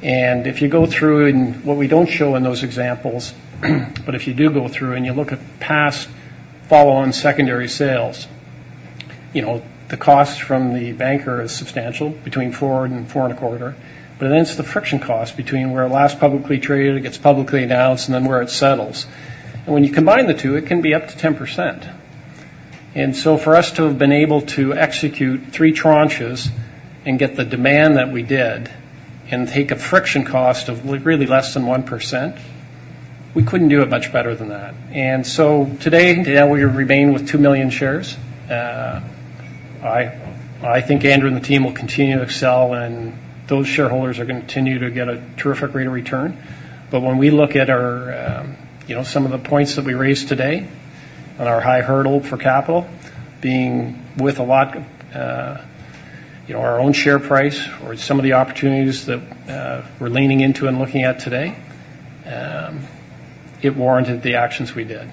And if you go through... What we don't show in those examples, but if you do go through and you look at past follow-on secondary sales, you know, the cost from the banker is substantial, between 4% and 4.25%. But then it's the friction cost between where it last publicly traded, it gets publicly announced, and then where it settles. And when you combine the two, it can be up to 10%. And so for us to have been able to execute 3 tranches and get the demand that we did, and take a friction cost of really less than 1%, we couldn't do it much better than that. And so today, yeah, we remain with 2 million shares. I think Andrew and the team will continue to excel, and those shareholders are gonna continue to get a terrific rate of return. But when we look at our, you know, some of the points that we raised today, on our high hurdle for capital, being with a lot, you know, our own share price, or some of the opportunities that, we're leaning into and looking at today, it warranted the actions we did.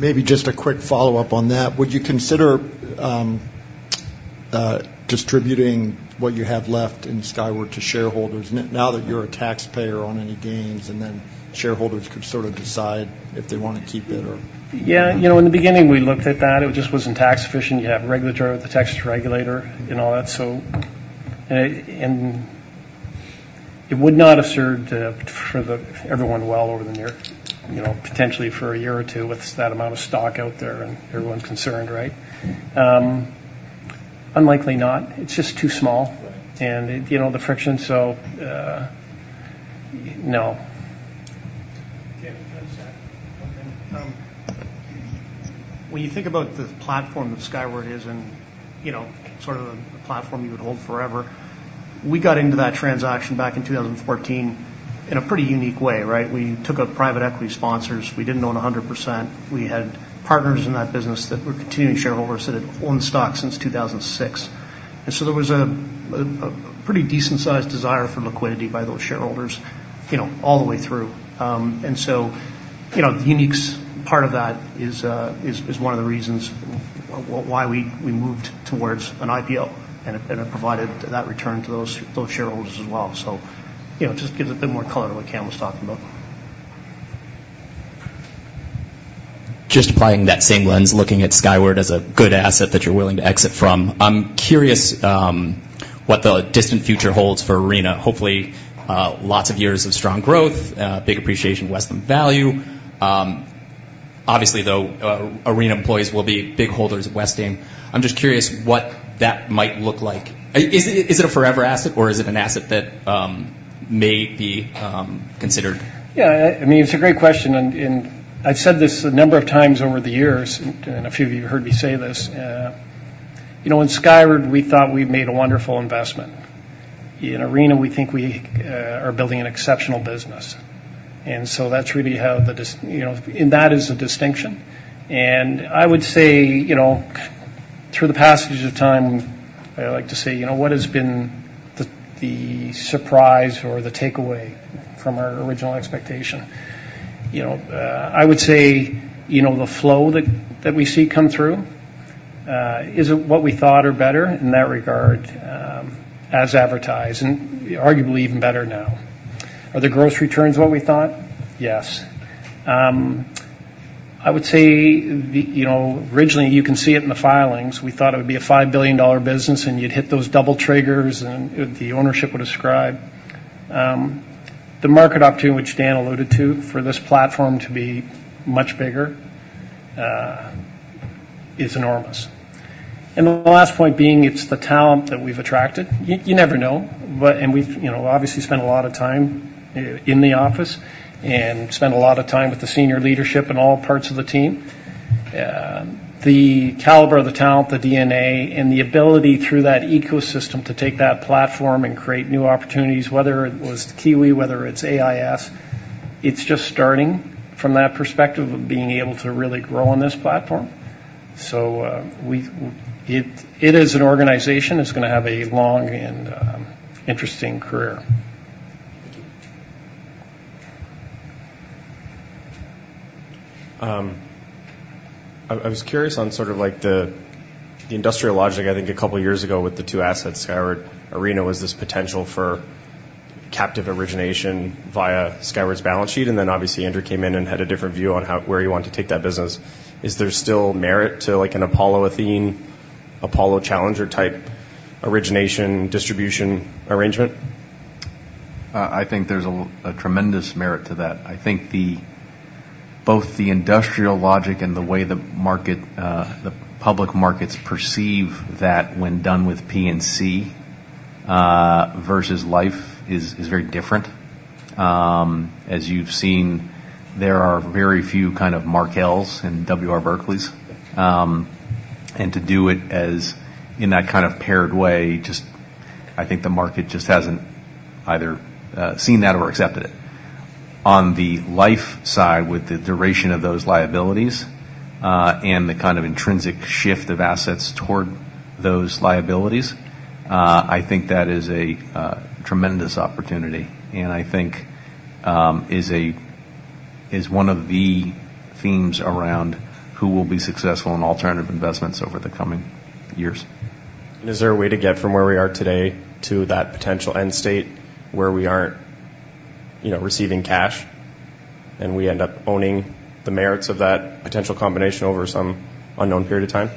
Maybe just a quick follow-up on that. Would you consider, distributing what you have left in Skyward to shareholders, now that you're a taxpayer on any gains, and then shareholders could sort of decide if they want to keep it or? Yeah, you know, in the beginning, we looked at that. It just wasn't tax efficient. You have regulatory, the tax regulator and all that, so. And it would not have served for everyone well over the near, you know, potentially for a year or two with that amount of stock out there, and everyone's concerned, right? Unlikely not. It's just too small. Right. You know, the friction, so, no. Yeah, can I just add one thing? When you think about the platform that Skyward is and, you know, sort of a platform you would hold forever, we got into that transaction back in 2014 in a pretty unique way, right? We took out private equity sponsors. We didn't own 100%. We had partners in that business that were continuing shareholders that had owned stock since 2006. And so there was a pretty decent-sized desire for liquidity by those shareholders, you know, all the way through. And so, you know, the unique part of that is one of the reasons why we moved towards an IPO, and it provided that return to those shareholders as well. You know, just gives a bit more color to what Cam was talking about. Just applying that same lens, looking at Skyward as a good asset that you're willing to exit from, I'm curious what the distant future holds for Arena. Hopefully, lots of years of strong growth, big appreciation of Westaim value. Obviously, though, Arena employees will be big holders of Westaim. I'm just curious what that might look like. Is it, is it a forever asset, or is it an asset that may be considered? Yeah, I mean, it's a great question, and I've said this a number of times over the years, and a few of you heard me say this. You know, in Skyward, we thought we'd made a wonderful investment. In Arena, we think we are building an exceptional business. And so that's really how the distinction. You know, and that is a distinction. And I would say, you know, through the passage of time, I like to say, "You know, what has been the surprise or the takeaway from our original expectation?" You know, I would say, you know, the flow that we see come through is it what we thought or better in that regard, as advertised, and arguably even better now. Are the gross returns what we thought? Yes. I would say, you know, originally, you can see it in the filings, we thought it would be a $5 billion business, and you'd hit those double triggers, and the ownership would ascribe. The market opportunity, which Dan alluded to, for this platform to be much bigger, is enormous. And the last point being, it's the talent that we've attracted. You, you never know, but... And we've, you know, obviously spent a lot of time in the office, and spent a lot of time with the senior leadership in all parts of the team. The caliber of the talent, the DNA, and the ability through that ecosystem to take that platform and create new opportunities, whether it was Kiwi, whether it's AIS, it's just starting from that perspective of being able to really grow on this platform. So, it as an organization is gonna have a long and interesting career. Thank you. I was curious on sort of like the industrial logic. I think a couple of years ago with the two assets, Skyward, Arena, was this potential for captive origination via Skyward's balance sheet, and then obviously Andrew came in and had a different view on how where he wanted to take that business. Is there still merit to, like, an Apollo Athene, Apollo Challenger-type origination, distribution arrangement? I think there's a tremendous merit to that. I think the... Both the industrial logic and the way the market, the public markets perceive that when done with P&C, versus life, is, is very different. As you've seen, there are very few kind of Markels and W.R. Berkleys. And to do it as, in that kind of paired way, just, I think the market just hasn't either, seen that or accepted it. On the life side, with the duration of those liabilities, and the kind of intrinsic shift of assets toward those liabilities, I think that is a, tremendous opportunity, and I think, is a, is one of the themes around who will be successful in alternative investments over the coming years. Is there a way to get from where we are today to that potential end state, where we aren't, you know, receiving cash, and we end up owning the merits of that potential combination over some unknown period of time?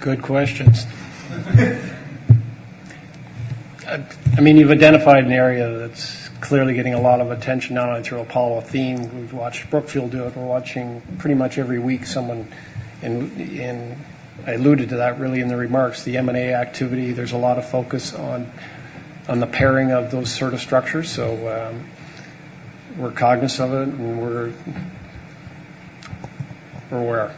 Good questions. I mean, you've identified an area that's clearly getting a lot of attention now through Apollo theme. We've watched Brookfield do it. We're watching pretty much every week, someone in... I alluded to that, really, in the remarks, the M&A activity. There's a lot of focus on the pairing of those sort of structures, so, we're cognizant of it, and we're aware.